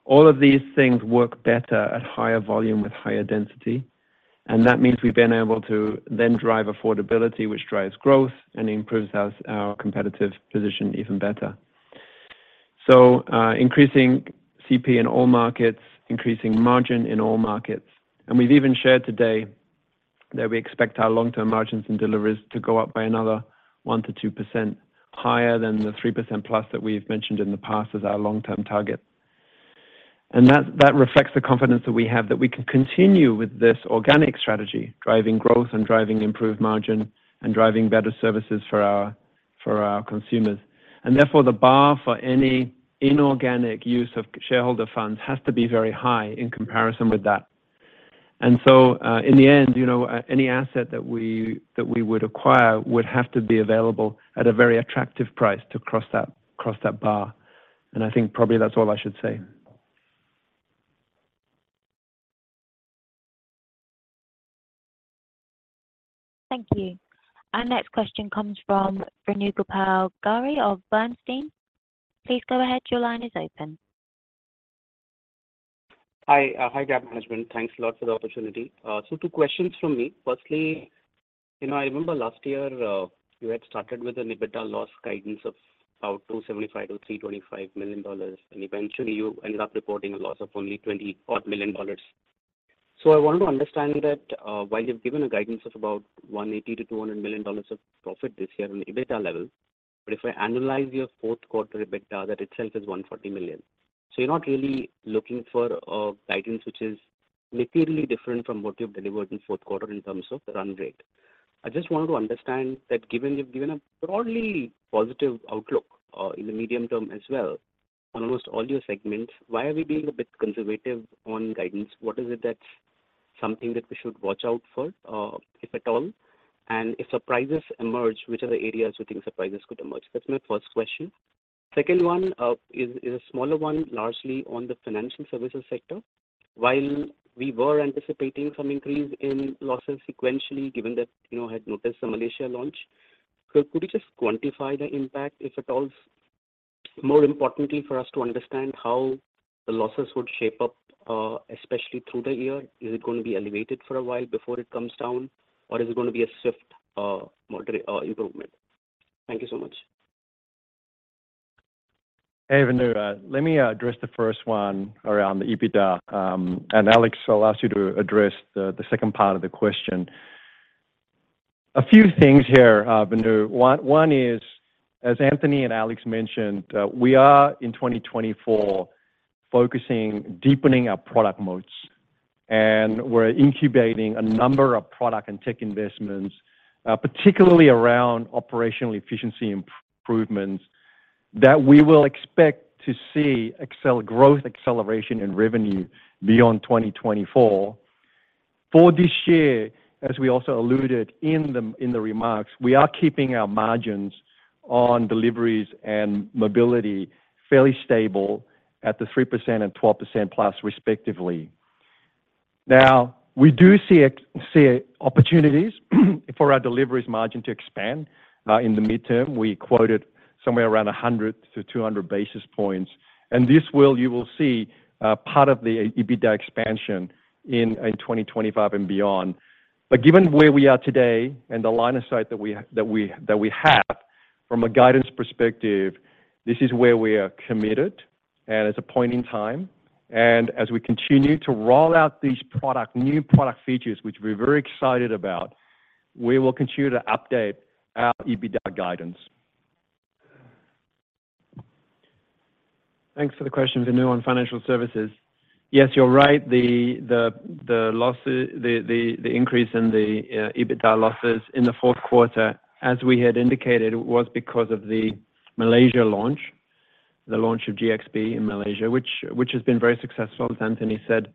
All of these things work better at higher volume with higher density, and that means we've been able to then drive affordability, which drives growth and improves our competitive position even better. So, increasing CP in all markets, increasing margin in all markets. And we've even shared today that we expect our long-term margins and deliveries to go up by another 1%-2%, higher than the 3%+ that we've mentioned in the past as our long-term target. And that, that reflects the confidence that we have that we can continue with this organic strategy, driving growth and driving improved margin and driving better services for our, for our consumers. And therefore, the bar for any inorganic use of shareholder funds has to be very high in comparison with that. And so, in the end, you know, any asset that we, that we would acquire would have to be available at a very attractive price to cross that, cross that bar. And I think probably that's all I should say. Thank you. Our next question comes from Venugopal Garre of Bernstein. Please go ahead. Your line is open. Hi. Hi, Grab management. Thanks a lot for the opportunity. So two questions from me. Firstly, you know, I remember last year, you had started with an EBITDA loss guidance of about $275 million-$325 million, and eventually you ended up reporting a loss of only $20-odd million. So I wanted to understand that, while you've given a guidance of about $180 million-$200 million of profit this year on the EBITDA level, but if I analyze your fourth quarter EBITDA, that itself is $140 million. So you're not really looking for a guidance which is materially different from what you've delivered in fourth quarter in terms of the run rate. I just wanted to understand that given you've given a broadly positive outlook in the medium term as well on almost all your segments, why are we being a bit conservative on guidance? What is it that's something that we should watch out for, if at all? And if surprises emerge, which are the areas you think surprises could emerge? That's my first question. Second one is a smaller one, largely on the financial services sector. While we were anticipating some increase in losses sequentially, given that, you know, had noticed the Malaysia launch, so could you just quantify the impact, if at all? More importantly, for us to understand how the losses would shape up, especially through the year. Is it going to be elevated for a while before it comes down, or is it going to be a swift moderate improvement? Thank you so much. Hey, Venugopal. Let me address the first one around the EBITDA, and Alex, I'll ask you to address the second part of the question. A few things here, Venugopal. One is, as Anthony and Alex mentioned, we are in 2024 focusing, deepening our product moats, and we're incubating a number of product and tech investments, particularly around operational efficiency improvements, that we will expect to see growth acceleration in revenue beyond 2024. For this year, as we also alluded in the remarks, we are keeping our margins on deliveries and mobility fairly stable at the 3% and 12%+, respectively. Now, we do see opportunities for our deliveries margin to expand in the midterm. We quoted somewhere around 100-200 basis points, and this will, you will see, part of the EBITDA expansion in 2025 and beyond. But given where we are today and the line of sight that we have. From a guidance perspective, this is where we are committed, and it's a point in time. And as we continue to roll out these product, new product features, which we're very excited about, we will continue to update our EBITDA guidance. Thanks for the question, Venu, on financial services. Yes, you're right. The losses, the increase in the EBITDA losses in the fourth quarter, as we had indicated, was because of the Malaysia launch, the launch of GXBank in Malaysia, which has been very successful. As Anthony said,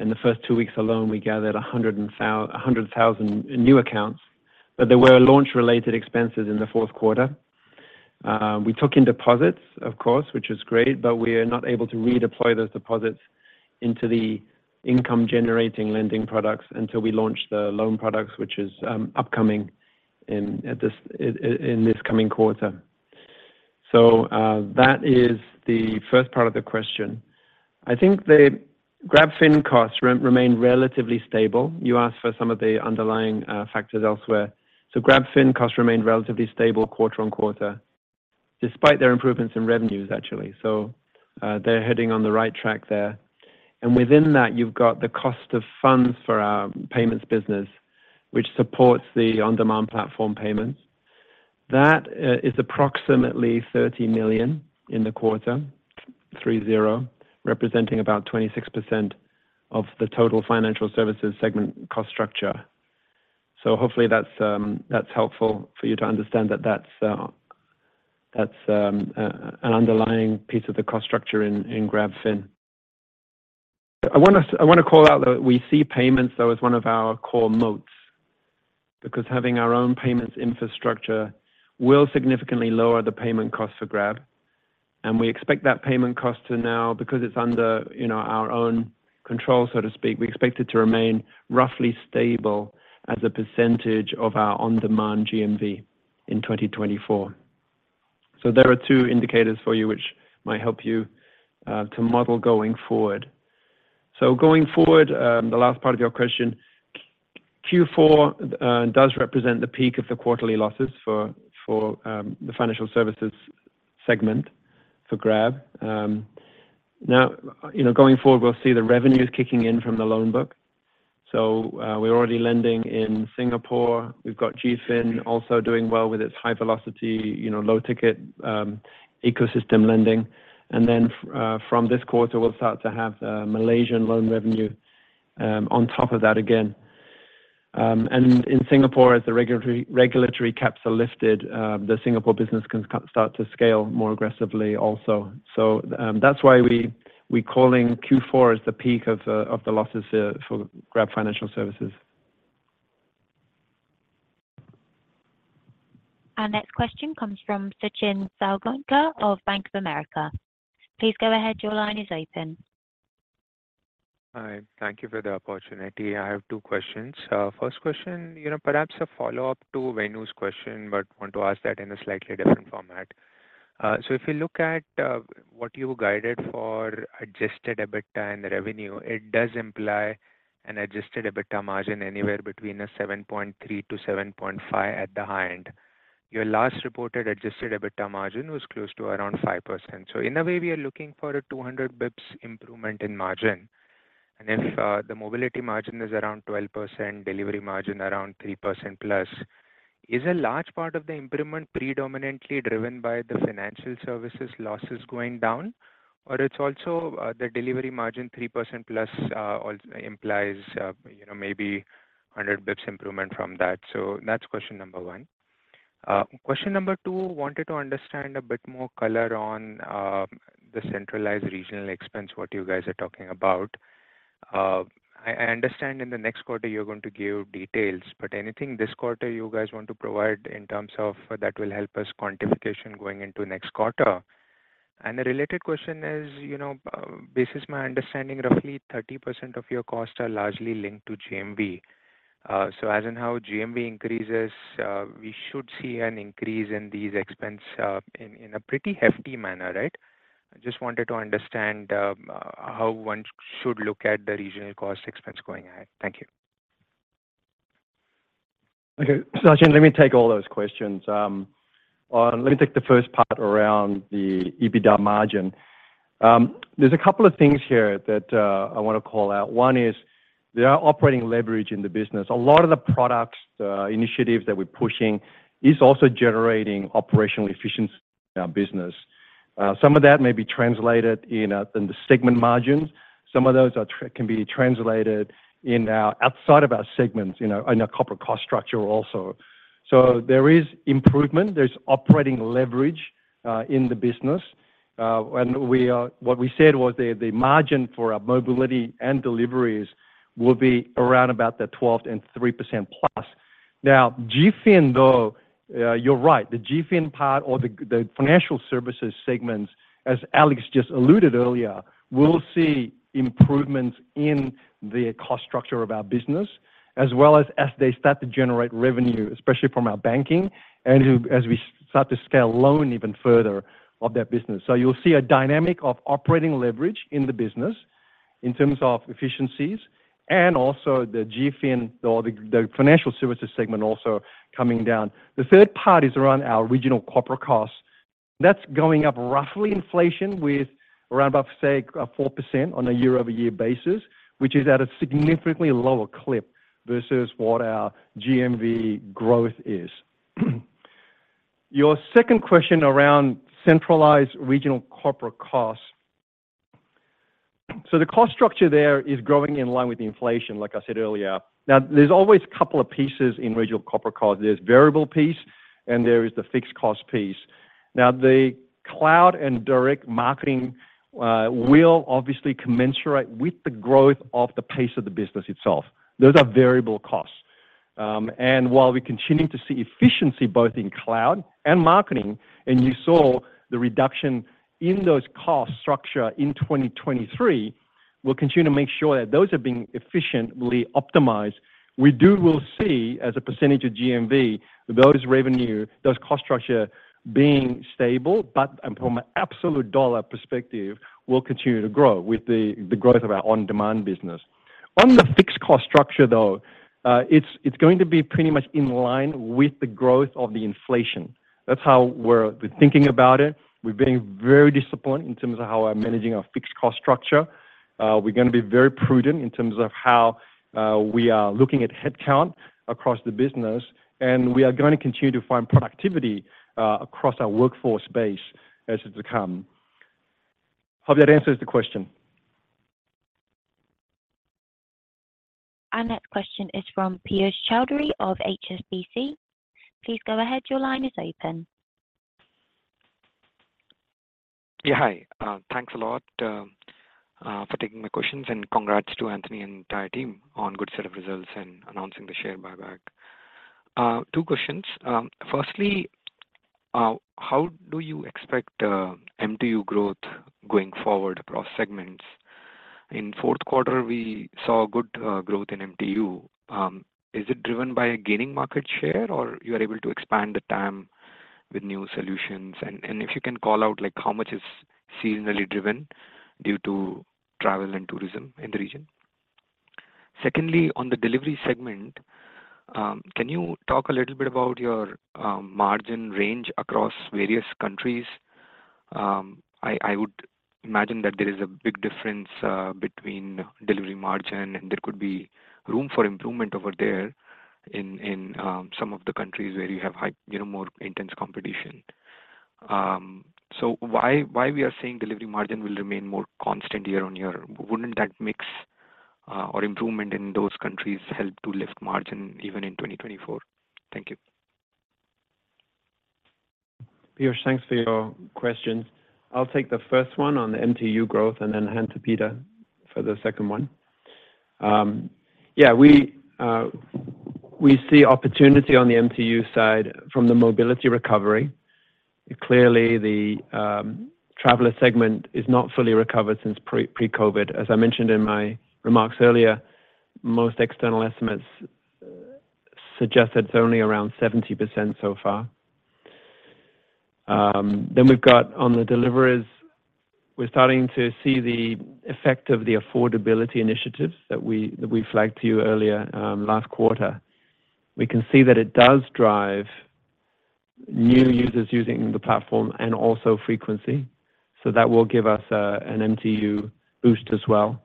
in the first 2 weeks alone, we gathered 100,000 new accounts. But there were launch-related expenses in the fourth quarter. We took in deposits, of course, which is great, but we are not able to redeploy those deposits into the income-generating lending products until we launch the loan products, which is upcoming in this coming quarter. So, that is the first part of the question. I think the GrabFin costs remain relatively stable. You asked for some of the underlying factors elsewhere. So GrabFin costs remained relatively stable quarter-on-quarter, despite their improvements in revenues, actually. So, they're heading on the right track there. And within that, you've got the cost of funds for our payments business, which supports the on-demand platform payments. That is approximately $30 million in the quarter, representing about 26% of the total financial services segment cost structure. So hopefully that's helpful for you to understand that that's an underlying piece of the cost structure in GrabFin. I wanna call out that we see payments, though, as one of our core moats, because having our own payments infrastructure will significantly lower the payment costs for Grab. We expect that payment cost to now, because it's under, you know, our own control, so to speak, we expect it to remain roughly stable as a percentage of our on-demand GMV in 2024. So there are two indicators for you which might help you to model going forward. So going forward, the last part of your question, Q4, does represent the peak of the quarterly losses for the financial services segment for Grab. Now, you know, going forward, we'll see the revenues kicking in from the loan book. So, we're already lending in Singapore. We've got GrabFin also doing well with its high velocity, you know, low-ticket, ecosystem lending. And then, from this quarter, we'll start to have Malaysian loan revenue on top of that again. In Singapore, as the regulatory caps are lifted, the Singapore business can start to scale more aggressively also. So, that's why we're calling Q4 as the peak of the losses for Grab Financial Services. Our next question comes from Sachin Salgaonkar of Bank of America. Please go ahead. Your line is open. Hi, thank you for the opportunity. I have two questions. First question, you know, perhaps a follow-up to Venu's question, but want to ask that in a slightly different format. So if you look at what you guided for Adjusted EBITDA and revenue, it does imply an Adjusted EBITDA margin anywhere between 7.3%-7.5% at the high end. Your last reported Adjusted EBITDA margin was close to around 5%. So in a way, we are looking for a 200 basis points improvement in margin. And if the mobility margin is around 12%, delivery margin around 3%+, is a large part of the improvement predominantly driven by the financial services losses going down? Or it's also the delivery margin, 3%+, also implies, you know, maybe a 100 basis points improvement from that. So that's question number one. Question number two, wanted to understand a bit more color on the centralized regional expense, what you guys are talking about. I understand in the next quarter, you're going to give details, but anything this quarter you guys want to provide in terms of that will help us quantification going into next quarter? And the related question is, you know, this is my understanding, roughly 30% of your costs are largely linked to GMV. So as and how GMV increases, we should see an increase in these expense in a pretty hefty manner, right? I just wanted to understand how one should look at the regional cost expense going ahead. Thank you. Okay, Sachin, let me take all those questions. Let me take the first part around the EBITDA margin. There's a couple of things here that I wanna call out. One is there are operating leverage in the business. A lot of the products, initiatives that we're pushing is also generating operational efficiency in our business. Some of that may be translated in in the segment margins. Some of those can be translated outside of our segments, you know, in our corporate cost structure also. So there is improvement, there's operating leverage in the business. What we said was the margin for our mobility and deliveries will be around about the 12% and 3% plus. Now, GFin, though, you're right, the GFin part or the, the financial services segments, as Alex just alluded earlier, will see improvements in the cost structure of our business, as well as as they start to generate revenue, especially from our banking and as we start to scale loan even further of that business. So you'll see a dynamic of operating leverage in the business, in terms of efficiencies and also the GFin or the, the financial services segment also coming down. The third part is around our regional corporate costs. That's going up roughly inflation with around about, say, 4% on a year-over-year basis, which is at a significantly lower clip versus what our GMV growth is. Your second question around centralized regional corporate costs. So the cost structure there is growing in line with inflation, like I said earlier. Now, there's always a couple of pieces in regional corporate costs. There's variable piece and there is the fixed cost piece. Now, the cloud and direct marketing will obviously commensurate with the growth of the pace of the business itself. Those are variable costs. And while we continue to see efficiency both in cloud and marketing, and you saw the reduction in those cost structure in 2023, we'll continue to make sure that those are being efficiently optimized. We will see, as a percentage of GMV, those revenue, those cost structure being stable, but from an absolute dollar perspective, will continue to grow with the growth of our on-demand business. On the fixed cost structure, though, it's going to be pretty much in line with the growth of the inflation. That's how we're thinking about it. We're being very disciplined in terms of how we're managing our fixed cost structure. We're gonna be very prudent in terms of how we are looking at headcount across the business, and we are gonna continue to find productivity across our workforce base as it come. Hope that answers the question. Our next question is from Piyush Choudhary of HSBC. Please go ahead. Your line is open. Yeah, hi. Thanks a lot for taking my questions, and congrats to Anthony and the entire team on good set of results and announcing the share buyback. Two questions. Firstly, how do you expect MTU growth going forward across segments? In fourth quarter, we saw good growth in MTU. Is it driven by a gaining market share, or you are able to expand the TAM with new solutions? And if you can call out, like, how much is seasonally driven due to travel and tourism in the region. Secondly, on the delivery segment, can you talk a little bit about your margin range across various countries? I would imagine that there is a big difference between delivery margin, and there could be room for improvement over there in some of the countries where you have high, you know, more intense competition. So why we are seeing delivery margin will remain more constant year-over-year? Wouldn't that mix or improvement in those countries help to lift margin even in 2024? Thank you. Piyush, thanks for your questions. I'll take the first one on the MTU growth and then hand to Peter for the second one. Yeah, we see opportunity on the MTU side from the mobility recovery. Clearly, the traveler segment is not fully recovered since pre-COVID. As I mentioned in my remarks earlier, most external estimates suggest that it's only around 70% so far. Then we've got on the deliveries, we're starting to see the effect of the affordability initiatives that we flagged to you earlier, last quarter. We can see that it does drive new users using the platform and also frequency, so that will give us an MTU boost as well.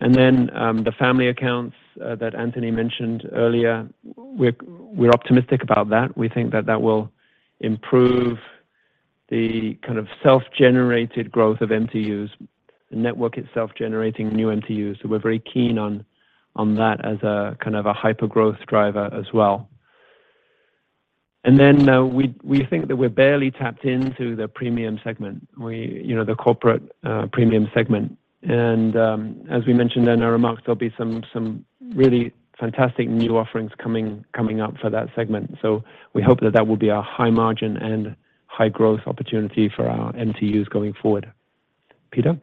And then, the Family Accounts that Anthony mentioned earlier, we're optimistic about that. We think that that will improve the kind of self-generated growth of MTUs, the network itself generating new MTUs. So we're very keen on that as a kind of a hyper-growth driver as well. And then, we think that we're barely tapped into the premium segment, you know, the corporate premium segment. And, as we mentioned in our remarks, there'll be some really fantastic new offerings coming up for that segment. So we hope that that will be a high margin and high growth opportunity for our MTUs going forward. Peter?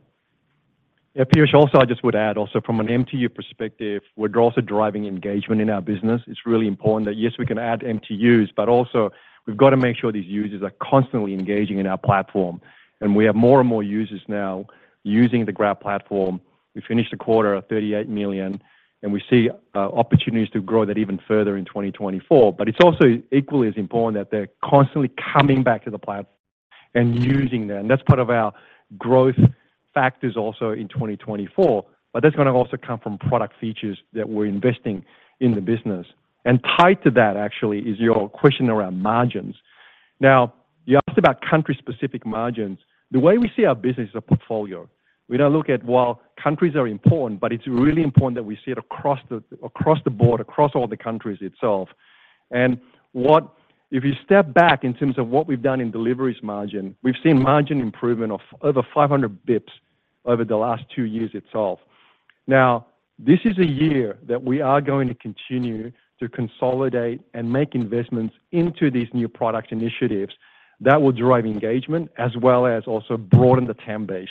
Yeah, Piyush, also, I just would add also from an MTU perspective, we're also driving engagement in our business. It's really important that, yes, we can add MTUs, but also we've got to make sure these users are constantly engaging in our platform. And we have more and more users now using the Grab platform. We finished a quarter of 38 million, and we see opportunities to grow that even further in 2024. But it's also equally as important that they're constantly coming back to the platform and using that. And that's part of our growth factors also in 2024, but that's gonna also come from product features that we're investing in the business. And tied to that actually is your question around margins. Now, you asked about country-specific margins. The way we see our business is a portfolio. We now look at, well, countries are important, but it's really important that we see it across the, across the board, across all the countries itself. And what— If you step back in terms of what we've done in deliveries margin, we've seen margin improvement of over 500 bps over the last two years itself. Now, this is a year that we are going to continue to consolidate and make investments into these new product initiatives that will drive engagement as well as also broaden the TAM base.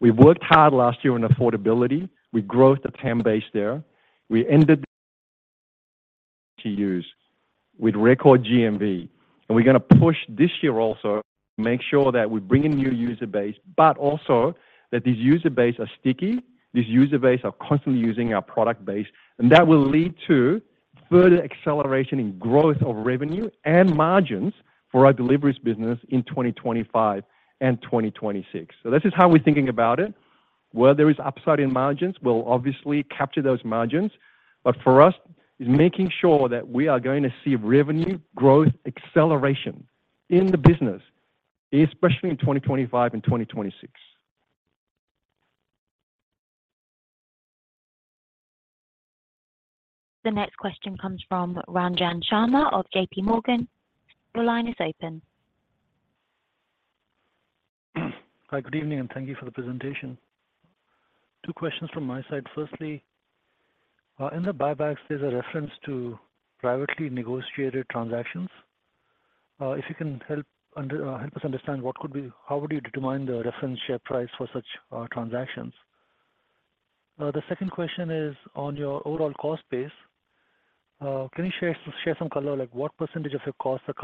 We've worked hard last year on affordability. We grew the TAM base there. We ended to year with record GMV. We're gonna push this year also to make sure that we bring in new user base, but also that these user base are sticky, these user base are constantly using our product base, and that will lead to further acceleration in growth of revenue and margins for our deliveries business in 2025 and 2026. This is how we're thinking about it. Where there is upside in margins, we'll obviously capture those margins, but for us, it's making sure that we are going to see revenue growth acceleration in the business, especially in 2025 and 2026. The next question comes from Ranjan Sharma of J.P. Morgan. The line is open. Hi, good evening, and thank you for the presentation. Two questions from my side. Firstly, in the buybacks, there's a reference to privately negotiated transactions. If you can help us understand how would you determine the reference share price for such transactions? The second question is on your overall cost base. Can you share some color, like what percentage of your costs are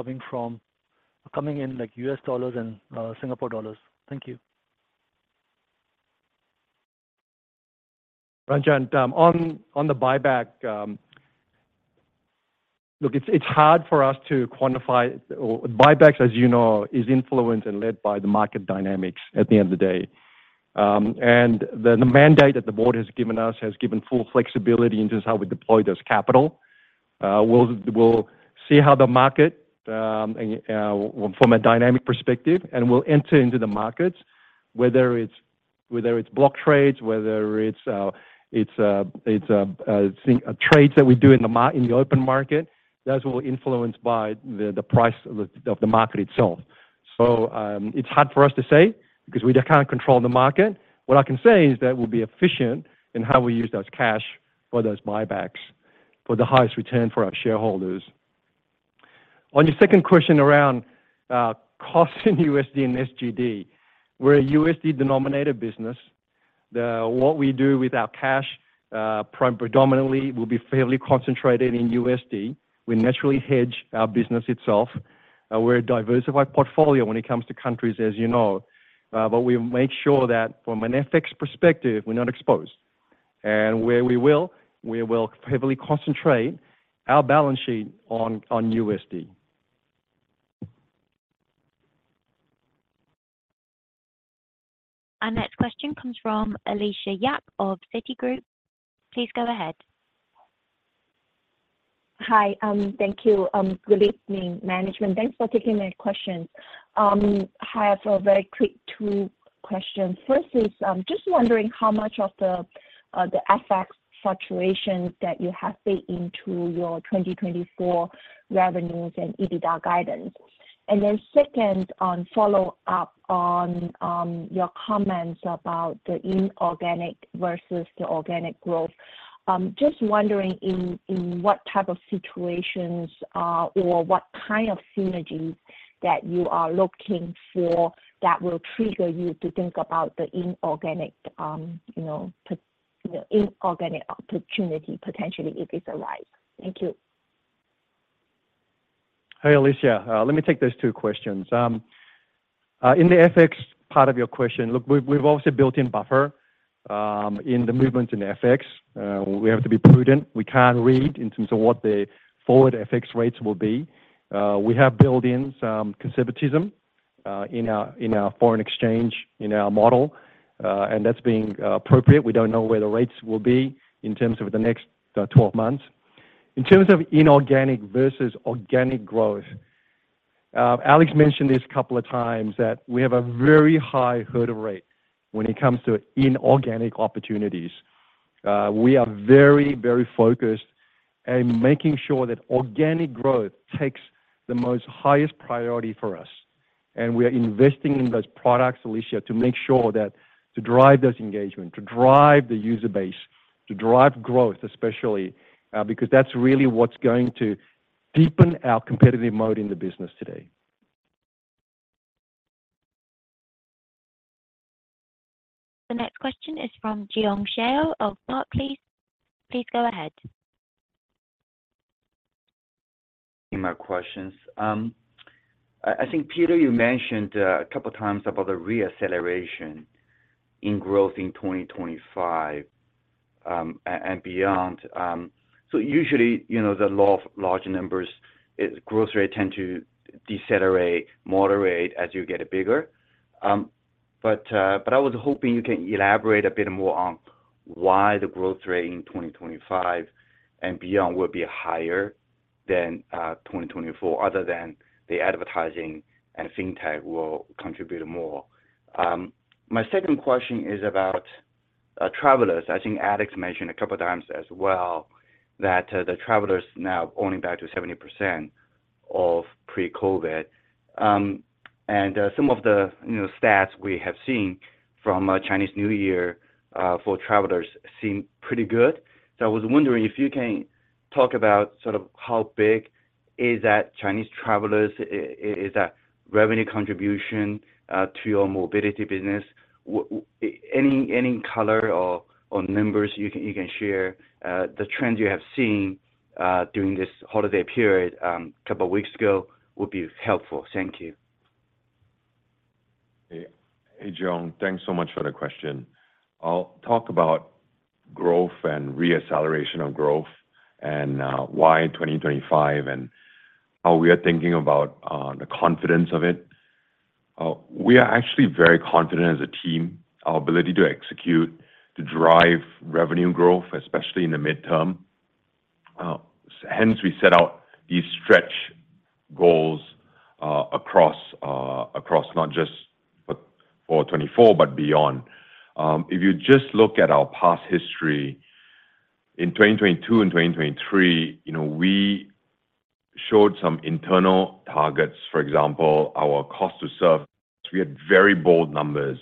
coming in, like U.S. dollars and Singapore dollars? Thank you. Ranjan, on the buyback, look, it's hard for us to quantify. Our buybacks, as you know, is influenced and led by the market dynamics at the end of the day. And the mandate that the board has given us has given full flexibility into how we deploy those capital. We'll see how the market, and from a dynamic perspective, and we'll enter into the markets, whether it's block trades, whether it's trades that we do in the open market, that's all influenced by the price of the market itself. So, it's hard for us to say because we just can't control the market. What I can say is that we'll be efficient in how we use those cash for those buybacks for the highest return for our shareholders. On your second question around costs in USD and SGD, we're a USD-denominated business. What we do with our cash, predominantly will be fairly concentrated in USD. We naturally hedge our business itself. We're a diversified portfolio when it comes to countries, as you know, but we make sure that from an FX perspective, we're not exposed. And where we will, we will heavily concentrate our balance sheet on, on USD. Our next question comes from Alicia Yap of Citigroup. Please go ahead. Hi. Thank you. Good evening, management. Thanks for taking my question. I have a very quick two questions. First is, just wondering how much of the, the FX fluctuations that you have fed into your 2024 revenues and EBITDA guidance. And then second, on follow-up on, your comments about the inorganic versus the organic growth, just wondering in, in what type of situations, or what kind of synergies that you are looking for that will trigger you to think about the inorganic, you know, the inorganic opportunity, potentially, if it arrives. Thank you. Hi, Alicia. Let me take those two questions. In the FX part of your question, look, we've obviously built-in buffer in the movement in FX. We have to be prudent. We can't read in terms of what the forward FX rates will be. We have built in some conservatism in our foreign exchange in our model, and that's being appropriate. We don't know where the rates will be in terms of the next 12 months. In terms of inorganic versus organic growth, Alex mentioned this a couple of times, that we have a very high hurdle rate when it comes to inorganic opportunities. We are very, very focused in making sure that organic growth takes the most highest priority for us. We are investing in those products, Alicia, to make sure that to drive those engagement, to drive the user base, to drive growth, especially, because that's really what's going to deepen our competitive moat in the business today. The next question is from Jiong Shao of Barclays. Please go ahead. My questions. I think, Peter, you mentioned a couple times about the reacceleration in growth in 2025, and beyond. So usually, you know, the law of large numbers, is growth rate tend to decelerate, moderate as you get bigger. But I was hoping you can elaborate a bit more on why the growth rate in 2025 and beyond will be higher than 2024, other than the advertising and fintech will contribute more. My second question is about travelers. I think Alex mentioned a couple of times as well, that the travelers now are only back to 70% of pre-COVID. And some of the, you know, stats we have seen from Chinese New Year for travelers seem pretty good. So I was wondering if you can talk about sort of how big is that Chinese travelers, is that revenue contribution to your mobility business? Any color or numbers you can share, the trends you have seen during this holiday period, couple of weeks ago would be helpful. Thank you. Hey, John, thanks so much for the question. I'll talk about growth and re-acceleration of growth and, why 2025 and how we are thinking about, the confidence of it. We are actually very confident as a team, our ability to execute, to drive revenue growth, especially in the midterm. Hence, we set out these stretch goals, across not just for 2024, but beyond. If you just look at our past history, in 2022 and 2023, you know, we showed some internal targets. For example, our cost to serve, we had very bold numbers,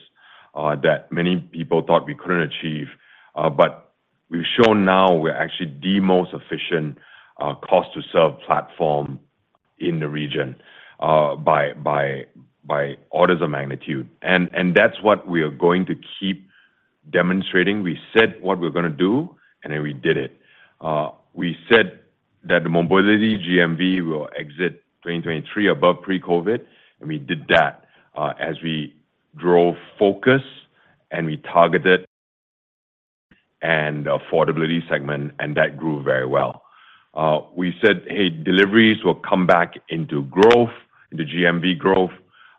that many people thought we couldn't achieve. But we've shown now we're actually the most efficient, cost to serve platform in the region, by orders of magnitude. And that's what we are going to keep demonstrating. We said what we're gonna do, and then we did it. We said that the mobility GMV will exit 2023 above pre-COVID, and we did that, as we drove focus and we targeted and affordability segment, and that grew very well. We said, "Hey, deliveries will come back into growth, into GMV growth,"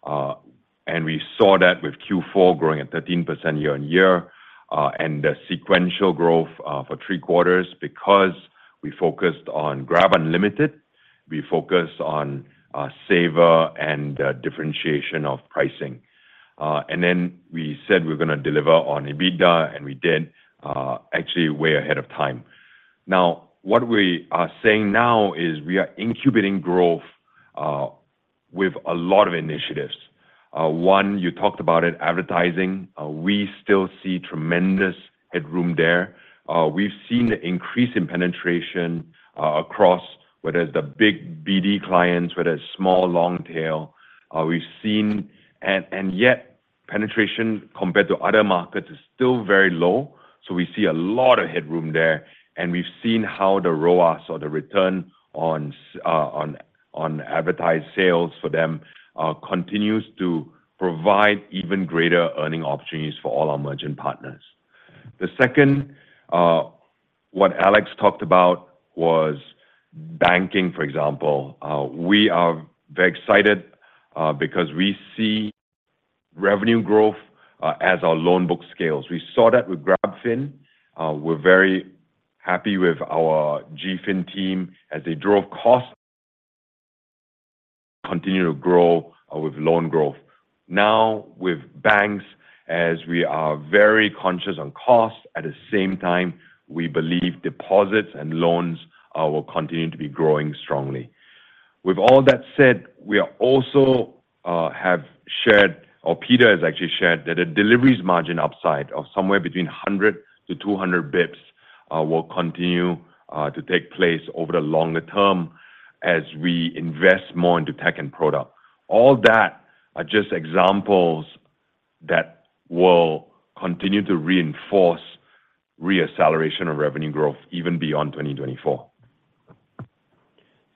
and we saw that with Q4 growing at 13% year-on-year, and the sequential growth, for three quarters, because we focused on GrabUnlimited, we focused on Saver and the differentiation of pricing. And then we said we're gonna deliver on EBITDA, and we did, actually way ahead of time. Now, what we are saying now is we are incubating growth, with a lot of initiatives. One, you talked about it, advertising. We still see tremendous headroom there. We've seen an increase in penetration across, whether it's the big BD clients, whether it's small, long tail. And yet penetration compared to other markets is still very low, so we see a lot of headroom there, and we've seen how the ROAS or the return on advertised sales for them continues to provide even greater earning opportunities for all our merchant partners. The second, what Alex talked about was banking, for example. We are very excited because we see revenue growth as our loan book scales. We saw that with GrabFin. We're very happy with our GFin team as they drove costs continue to grow with loan growth. Now, with banks, as we are very conscious on cost, at the same time, we believe deposits and loans will continue to be growing strongly. With all that said, we are also have shared, or Peter has actually shared, that the deliveries margin upside of somewhere between 100-200 basis points will continue to take place over the longer term as we invest more into tech and product. All that are just examples that will continue to reinforce re-acceleration of revenue growth even beyond 2024.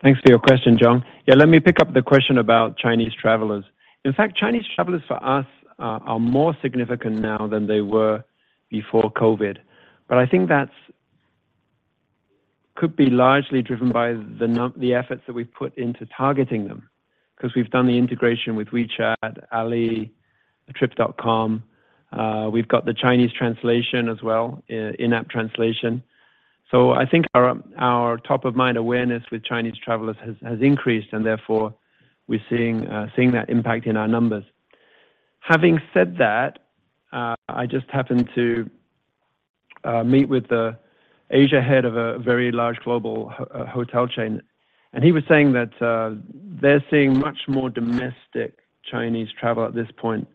Thanks for your question, John. Yeah, let me pick up the question about Chinese travelers. In fact, Chinese travelers for us are more significant now than they were before COVID. But I think that could be largely driven by the efforts that we've put into targeting them, 'cause we've done the integration with WeChat, Ali, Trip.com. We've got the Chinese translation as well, in-app translation. So I think our top-of-mind awareness with Chinese travelers has increased, and therefore we're seeing that impact in our numbers. Having said that, I just happened to meet with the Asia head of a very large global hotel chain, and he was saying that they're seeing much more domestic Chinese travel at this point,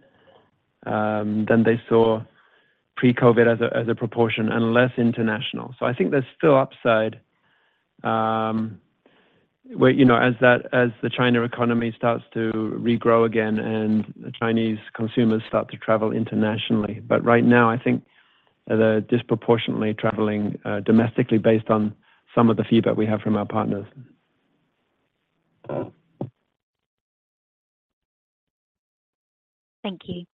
than they saw pre-COVID as a proportion, and less international. So I think there's still upside, where, you know, as the China economy starts to regrow again and the Chinese consumers start to travel internationally. But right now, I think they're disproportionately traveling domestically based on some of the feedback we have from our partners. Thank you.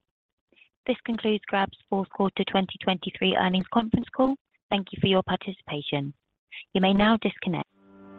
This concludes Grab's fourth quarter 2023 earnings conference call. Thank you for your participation. You may now disconnect.